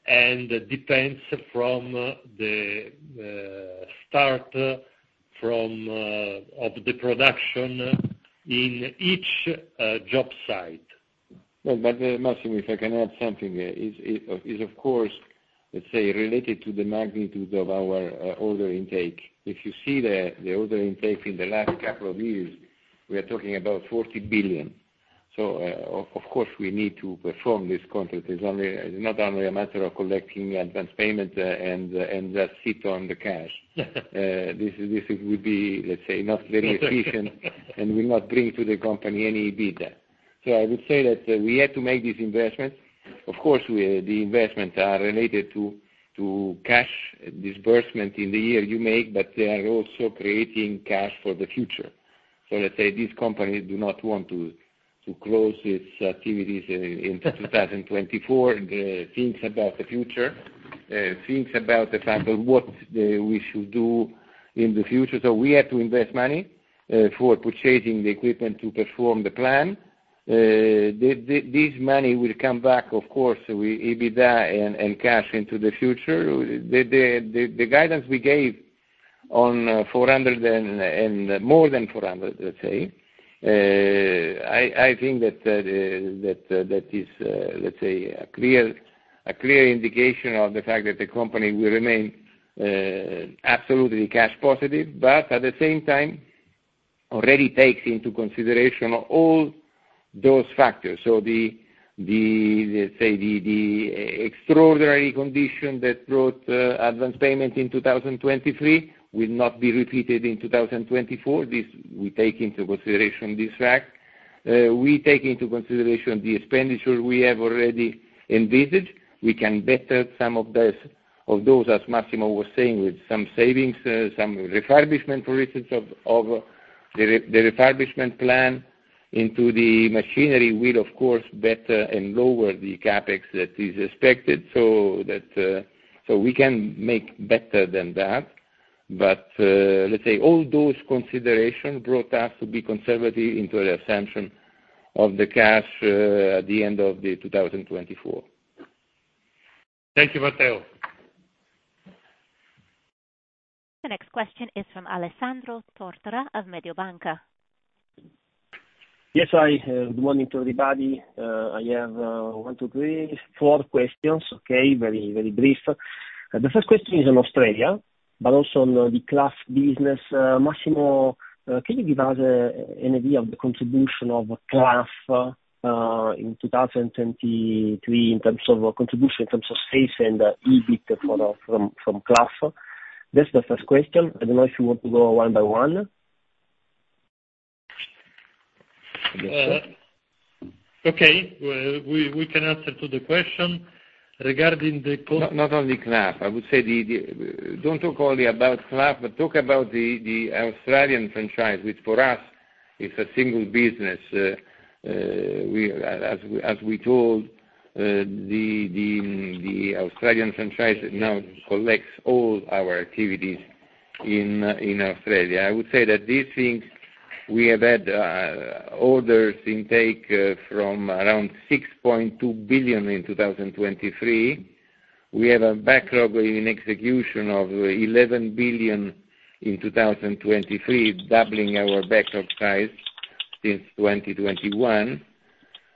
and it depends from the start of the production in each job site. Well, but Massimo, if I can add something, it's, of course, let's say, related to the magnitude of our order intake. If you see the order intake in the last couple of years, we are talking about 40 billion. So, of course, we need to perform this contract. It's not only a matter of collecting advance payment and just sit on the cash. This would be, let's say, not very efficient and will not bring to the company any EBITDA. So I would say that we had to make this investment. Of course, the investments are related to cash disbursement in the year you make, but they are also creating cash for the future. So, let's say, this company does not want to close its activities in 2024. Think about the future. Think about the fact of what we should do in the future. So we had to invest money for purchasing the equipment to perform the plan. This money will come back, of course, EBITDA and cash into the future. The guidance we gave on 400 and more than 400, let's say, I think that is, let's say, a clear indication of the fact that the company will remain absolutely cash positive, but at the same time, already takes into consideration all those factors. So the, let's say, the extraordinary condition that brought advance payment in 2023 will not be repeated in 2024. We take into consideration this fact. We take into consideration the expenditure we have already envisaged. We can better some of those, as Massimo was saying, with some savings, some refurbishment, for instance, of the refurbishment plan into the machinery will, of course, better and lower the CapEx that is expected so that we can make better than that. Let's say all those considerations brought us to be conservative into the assumption of the cash at the end of 2024. Thank you, Matteo. The next question is from Alessandro Tortora of Mediobanca. Yes, hi. Good morning to everybody. I have one, two, three, four questions, okay? Very, very brief. The first question is on Australia, but also on the Clough business. Massimo, can you give us an idea of the contribution of Clough in 2023 in terms of contribution in terms of sales and EBIT from Clough? That's the first question. I don't know if you want to go one by one. Okay. We can answer to the question. Regarding the. Not only Clough. I would say don't talk only about Clough, but talk about the Australian franchise, which for us is a single business. As we told, the Australian franchise now collects all our activities in Australia. I would say that this thing we have had orders intake from around 6.2 billion in 2023. We have a backlog in execution of 11 billion in 2023, doubling our backlog size since 2021.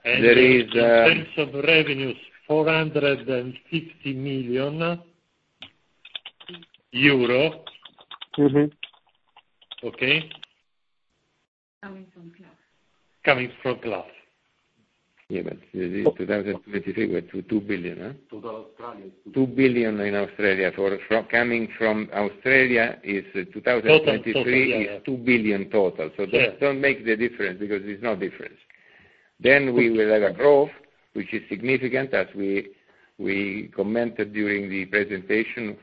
There is. In terms of revenues, 450 million euro, okay? Coming from Clough. Coming from Clough. Yeah, but in 2023, we're 2 billion, huh? To the Australia. 2 billion in Australia. Coming from Australia in 2023 is 2 billion total. So don't make the difference because it's no difference. Then we will have a growth, which is significant. As we commented during the presentation,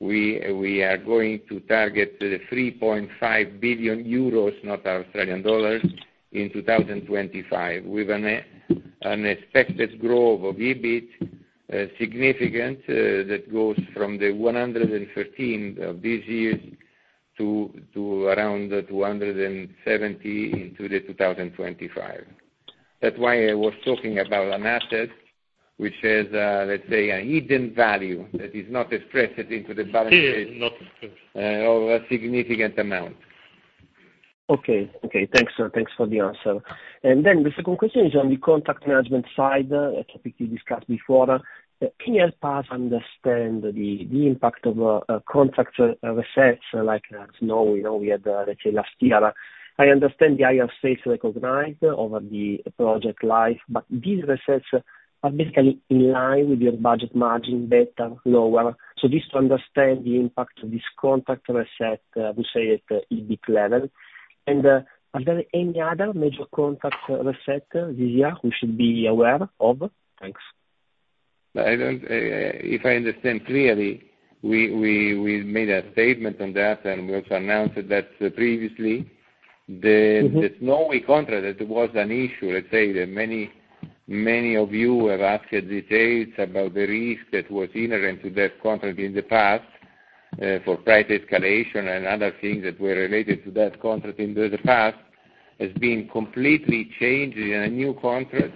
we are going to target the 3.5 billion euros, not Australian dollars, in 2025 with an expected growth of EBIT significant that goes from the 113 of this year to around 270 in 2025. That's why I was talking about an asset which has, let's say, a hidden value that is not expressed in the balance sheet. It is not expressed. Of a significant amount. Okay. Okay. Thanks for the answer. Then the second question is on the contract management side that we discussed before. Can you help us understand the impact of contract resets like, as we know, we had, let's say, last year? I understand the IFRS sales recognized over the project life, but these resets are basically in line with your budget margin, better, lower. So just to understand the impact of this contract reset, I would say at EBIT level. And are there any other major contract resets this year we should be aware of? Thanks. If I understand clearly, we made a statement on that and we also announced that previously the Snowy contract, that was an issue. Let's say many of you have asked details about the risk that was inherent to that contract in the past for price escalation and other things that were related to that contract in the past has been completely changed in a new contract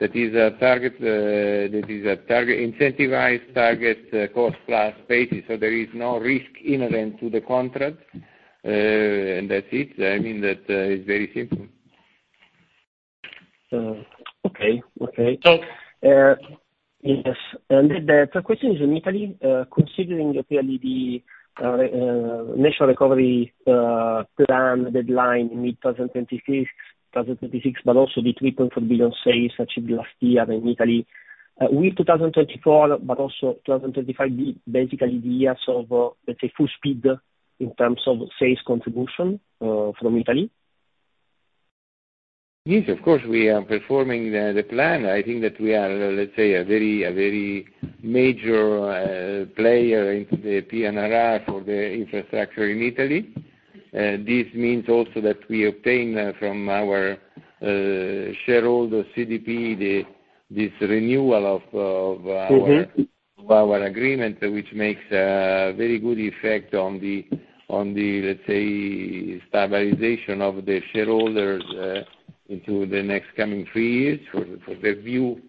that is a target incentivized target cost-plus basis. So there is no risk inherent to the contract, and that's it. I mean, that is very simple. Okay. So yes. The third question is in Italy, considering apparently the national recovery plan deadline in mid-2026, but also the 3.4 billion sales achieved last year in Italy. Will 2024, but also 2025, be basically the years of, let's say, full speed in terms of sales contribution from Italy? Yes, of course. We are performing the plan. I think that we are, let's say, a very major player into the PNRR for the infrastructure in Italy. This means also that we obtain from our shareholder CDP this renewal of our agreement, which makes a very good effect on the, let's say, stabilization of the shareholders into the next coming three years for their view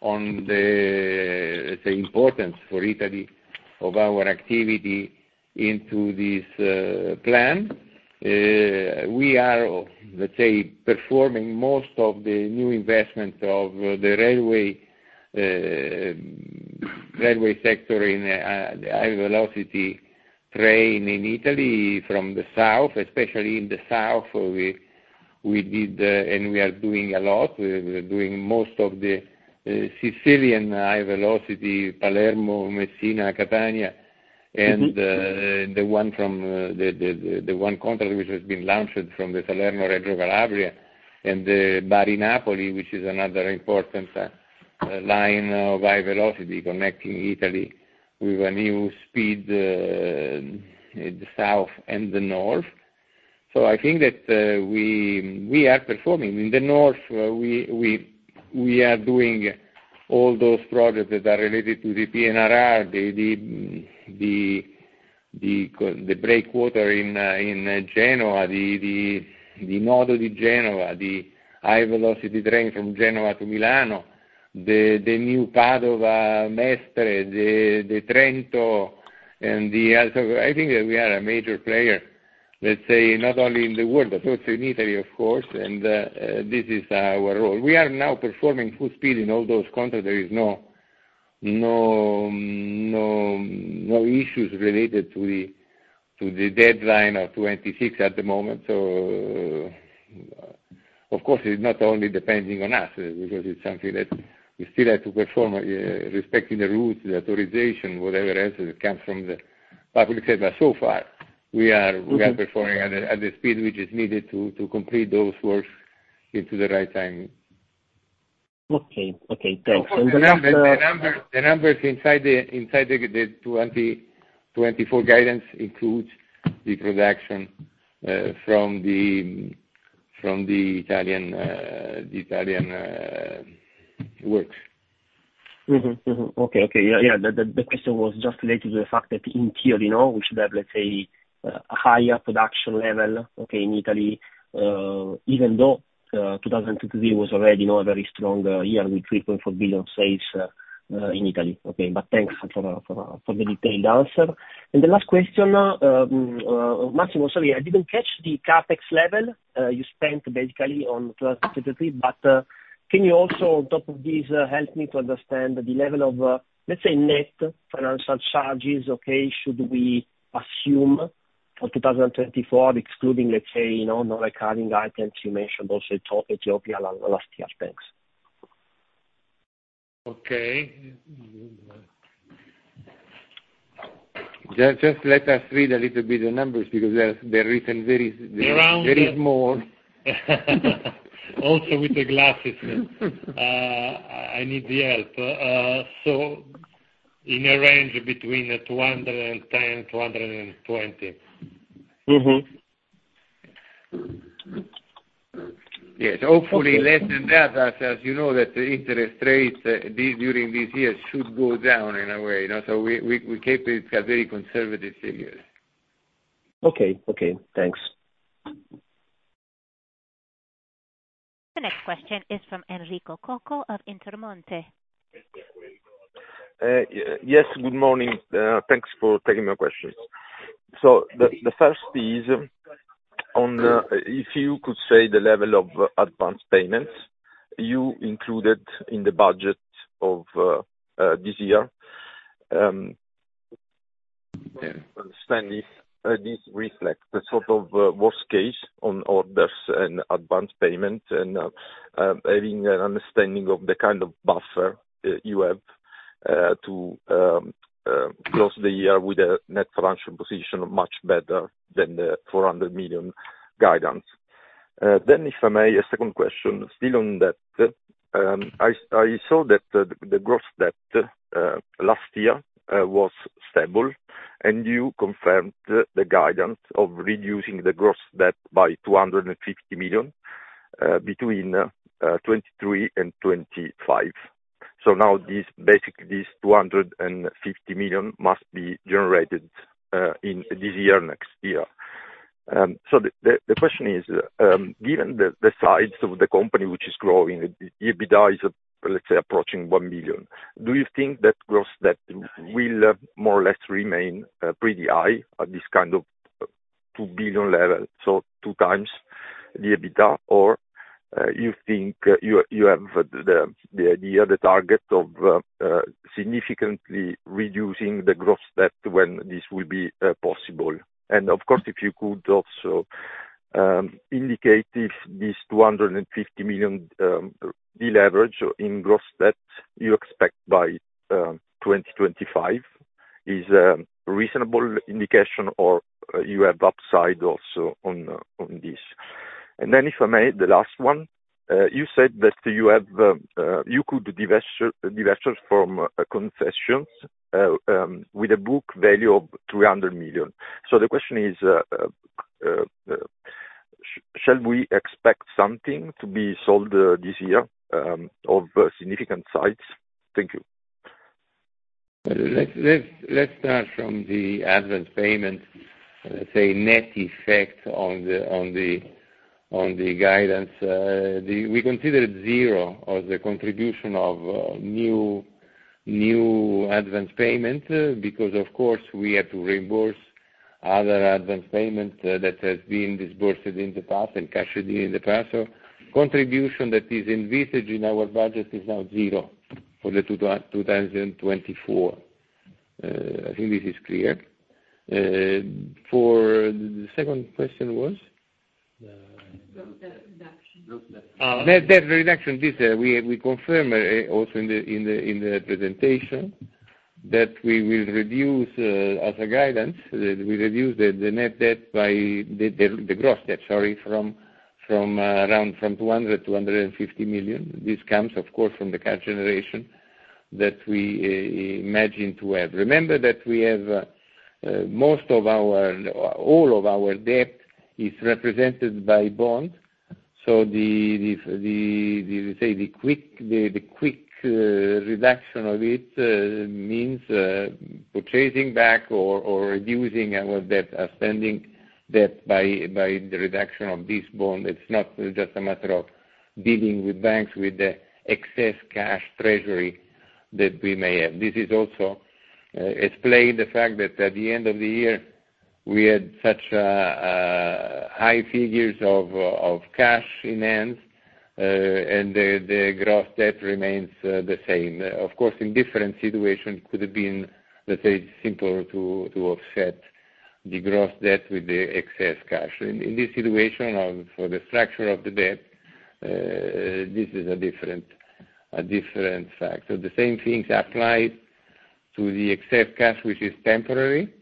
on the, let's say, importance for Italy of our activity into this plan. We are, let's say, performing most of the new investment of the railway sector in high-velocity train in Italy from the south, especially in the south, and we are doing a lot. We're doing most of the Sicilian high-velocity: Palermo, Messina, Catania, and the one contract which has been launched from the Salerno-Reggio Calabria and the Bari-Napoli, which is another important line of high-velocity connecting Italy with a new speed in the south and the north. So I think that we are performing. In the north, we are doing all those projects that are related to the PNRR, the breakwater in Genoa, the node of Genoa, the high-velocity train from Genoa to Milano, the new Padova, Mestre, the Trento, and I think that we are a major player, let's say, not only in the world, but also in Italy, of course, and this is our role. We are now performing full speed in all those contracts. There are no issues related to the deadline of 2026 at the moment. So, of course, it's not only depending on us because it's something that we still have to perform respecting the rules, the authorization, whatever else that comes from the public sector. But so far, we are performing at the speed which is needed to complete those works into the right time. Okay. Okay. Thanks. And the numbers. The numbers inside the 2024 guidance include the production from the Italian works. Okay. Okay. Yeah. Yeah. The question was just related to the fact that in theory, we should have, let's say, a higher production level, okay, in Italy, even though 2023 was already a very strong year with 3.4 billion sales in Italy, okay? Thanks for the detailed answer. The last question, Massimo Ferrari, I didn't catch the CapEx level you spent basically on 2023, but can you also, on top of this, help me to understand the level of, let's say, net financial charges, okay, should we assume for 2024 excluding, let's say, non-recurring items you mentioned, also Ethiopia last year? Thanks. Okay. Just let us read a little bit the numbers because they're written very small. Around. Also with the glasses. I need the help. So in a range between 210-220. Yes. Hopefully, less than that, as you know, that the interest rate during these years should go down in a way. So we keep it very conservative figures. Okay. Okay. Thanks. The next question is from Enrico Coco of Intermonte. Yes. Good morning. Thanks for taking my questions. So the first is on if you could say the level of advance payments you included in the budget of this year. Understand if this reflects the sort of worst case on orders and advance payments and having an understanding of the kind of buffer you have to close the year with a net financial position much better than the 400 million guidance. Then, if I may, a second question, still on debt. I saw that the gross debt last year was stable, and you confirmed the guidance of reducing the gross debt by 250 million between 2023 and 2025. So now, basically, this 250 million must be generated in this year or next year. The question is, given the size of the company which is growing, the EBITDA is, let's say, approaching 1 billion, do you think that gross debt will more or less remain pretty high at this kind of 2 billion level, so two times the EBITDA, or you think you have the idea, the target of significantly reducing the gross debt when this will be possible? Of course, if you could also indicate if this 250 million deleverage in gross debt you expect by 2025 is a reasonable indication or you have upside also on this. Then, if I may, the last one, you said that you could divest from concessions with a book value of 300 million. The question is, shall we expect something to be sold this year of significant size? Thank you. Let's start from the advance payment, let's say, net effect on the guidance. We consider it zero as a contribution of new advance payment because, of course, we have to reimburse other advance payment that has been disbursed in the past and cashed in in the past. So contribution that is envisaged in our budget is now zero for 2024. I think this is clear. The second question was? Gross debt reduction. Net debt reduction. We confirm also in the presentation that we will reduce as a guidance, we reduce the net debt by the gross debt, sorry, from around from 200 million-250 million. This comes, of course, from the cash generation that we imagine to have. Remember that all of our debt is represented by bond. So let's say the quick reduction of it means purchasing back or reducing our debt, outstanding debt by the reduction of this bond. It's not just a matter of dealing with banks with the excess cash treasury that we may have. This is also explained the fact that at the end of the year, we had such high figures of cash in hand, and the gross debt remains the same. Of course, in different situations, it could have been, let's say, simpler to offset the gross debt with the excess cash. In this situation, for the structure of the debt, this is a different factor. The same things apply to the excess cash, which is temporary.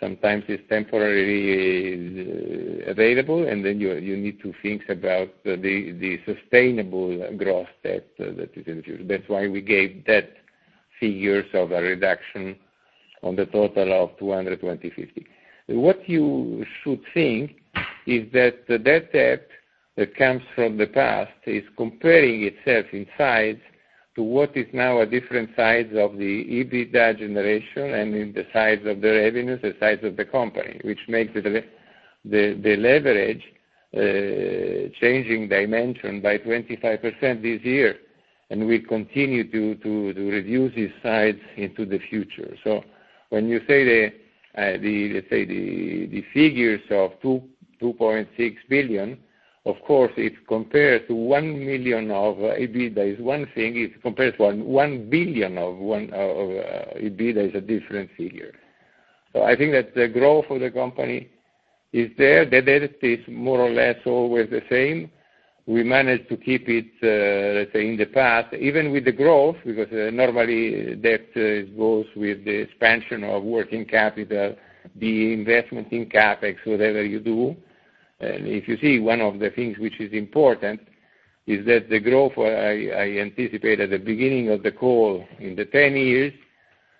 Sometimes it's temporarily available, and then you need to think about the sustainable gross debt that is in the future. That's why we gave that figures of a reduction on the total of 200-250 million. What you should think is that the debt that comes from the past is comparing itself in size to what is now at different sides of the EBITDA generation and in the sides of the revenues, the sides of the company, which makes the leverage changing dimension by 25% this year, and we continue to reduce these sides into the future. So when you say, let's say, the figures of 2.6 billion, of course, it compares to 1 million of EBITDA is one thing. It compares to 1 billion of EBITDA, is a different figure. So I think that the growth of the company is there. The debt is more or less always the same. We managed to keep it, let's say, in the past even with the growth because normally, debt goes with the expansion of working capital, the investment in CapEx, whatever you do. And if you see one of the things which is important is that the growth I anticipated at the beginning of the call in the 10 years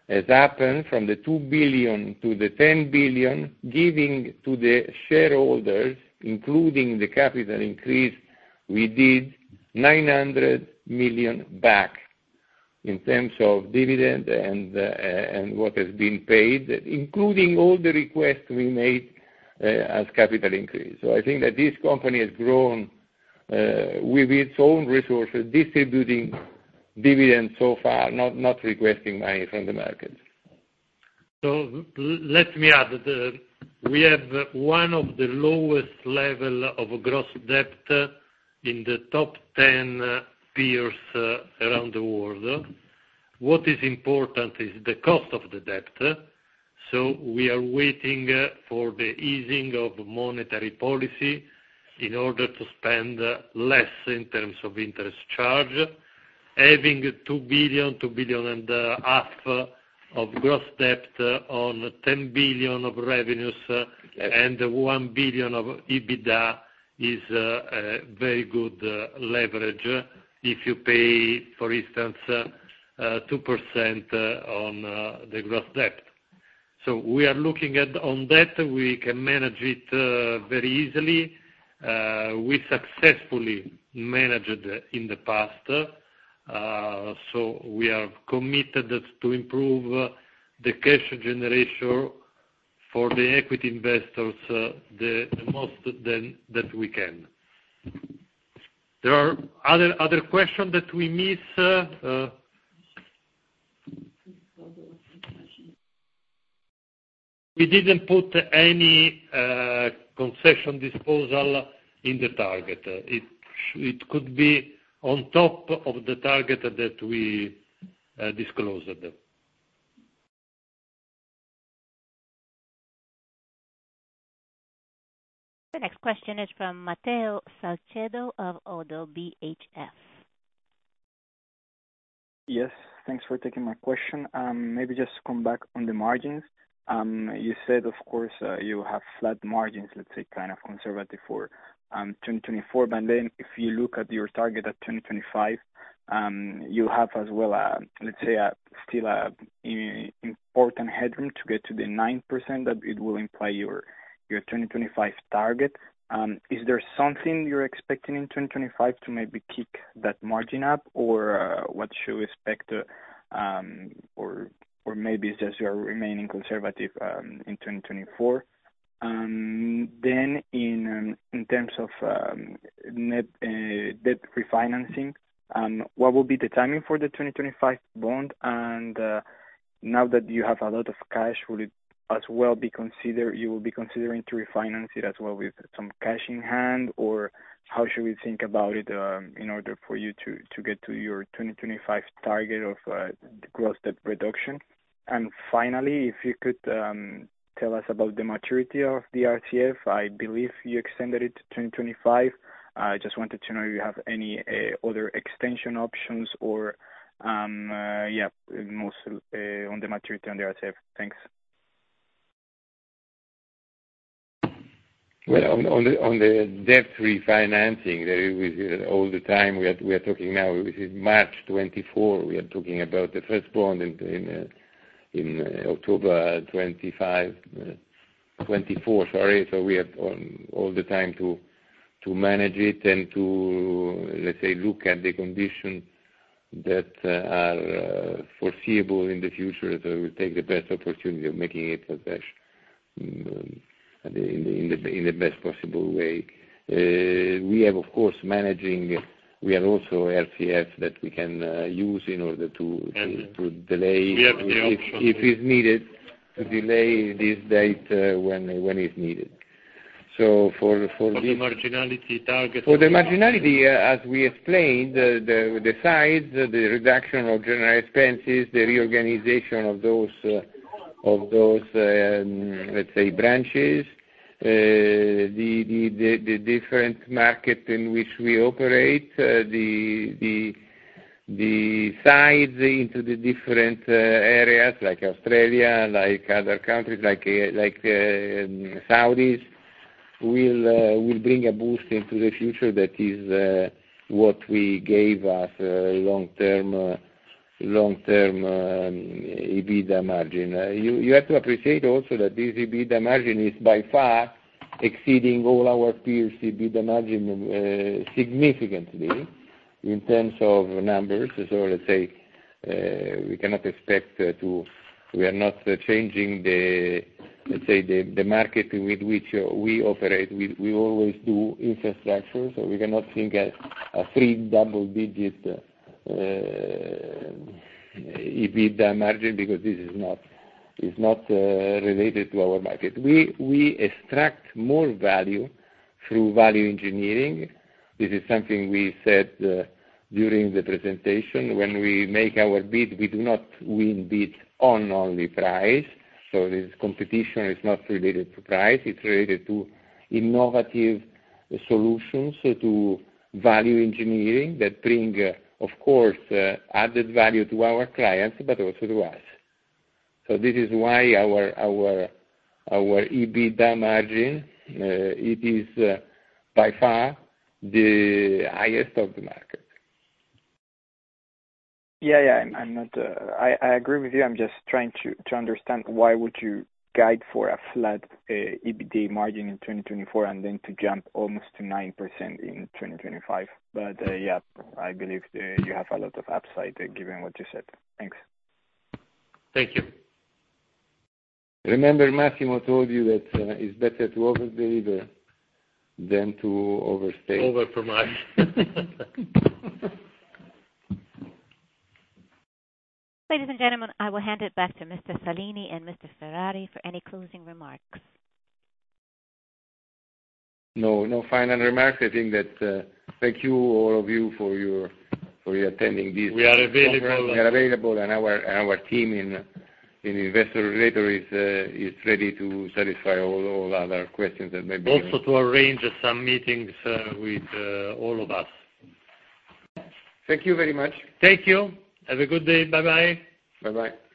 has happened from the 2 billion to the 10 billion, giving to the shareholders, including the capital increase, we did 900 million back in terms of dividend and what has been paid, including all the requests we made as capital increase. I think that this company has grown with its own resources, distributing dividends so far, not requesting money from the markets. So let me add. We have one of the lowest levels of gross debt in the top 10 peers around the world. What is important is the cost of the debt. So we are waiting for the easing of monetary policy in order to spend less in terms of interest charge, having 2.5 billion of gross debt on 10 billion of revenues, and 1 billion of EBITDA is very good leverage if you pay, for instance, 2% on the gross debt. So we are looking at on debt, we can manage it very easily. We successfully managed it in the past. So we are committed to improve the cash generation for the equity investors the most that we can. There are other questions that we missed. What was the last question? We didn't put any concession disposal in the target. It could be on top of the target that we disclosed. The next question is from Matteo Salcedo of ODDO BHF. Yes. Thanks for taking my question. Maybe just to come back on the margins. You said, of course, you have flat margins, let's say, kind of conservative for 2024, but then if you look at your target at 2025, you have as well, let's say, still an important headroom to get to the 9% that it will imply your 2025 target. Is there something you're expecting in 2025 to maybe kick that margin up, or what should we expect, or maybe it's just your remaining conservative in 2024? Then in terms of net debt refinancing, what will be the timing for the 2025 bond? Now that you have a lot of cash, will it as well be considered you will be considering to refinance it as well with some cash in hand, or how should we think about it in order for you to get to your 2025 target of gross debt reduction? Finally, if you could tell us about the maturity of the RCF, I believe you extended it to 2025. I just wanted to know if you have any other extension options or yeah, mostly on the maturity on the RCF. Thanks. Well, on the debt refinancing, all the time we are talking now, this is March 2024. We are talking about the first bond in October 2024, sorry. So we have all the time to manage it and to, let's say, look at the conditions that are foreseeable in the future. So we will take the best opportunity of making it in the best possible way. We have, of course, managing we have also RCF that we can use in order to delay. We have the option. If it's needed to delay this date when it's needed. So for this. For the marginality target of. For the marginality, as we explained, the size, the reduction of general expenses, the reorganization of those, let's say, branches, the different market in which we operate, the size into the different areas like Australia, like other countries like Saudis, will bring a boost into the future that is what we gave as a long-term EBITDA margin. You have to appreciate also that this EBITDA margin is by far exceeding all our peers' EBITDA margin significantly in terms of numbers. So, let's say, we cannot expect to. We are not changing the, let's say, the market with which we operate. We always do infrastructure. So we cannot think of a free double-digit EBITDA margin because this is not related to our market. We extract more value through value engineering. This is something we said during the presentation. When we make our bid, we do not win bid on only price. So this competition is not related to price. It's related to innovative solutions to value engineering that bring, of course, added value to our clients but also to us. So this is why our EBITDA margin, it is by far the highest of the market. Yeah, yeah. I agree with you. I'm just trying to understand why would you guide for a flat EBITDA margin in 2024 and then to jump almost to 9% in 2025? But yeah, I believe you have a lot of upside given what you said. Thanks. Thank you. Remember, Massimo told you that it's better to overdeliver than to overstay. Overpromise. Ladies and gentlemen, I will hand it back to Mr. Salini and Mr. Ferrari for any closing remarks. No, no final remarks. I think that thank you, all of you, for attending this. We are available. We are available, and our team in investor relations is ready to satisfy all other questions that may be. Also to arrange some meetings with all of us. Thank you very much. Thank you. Have a good day. Bye-bye. Bye-bye.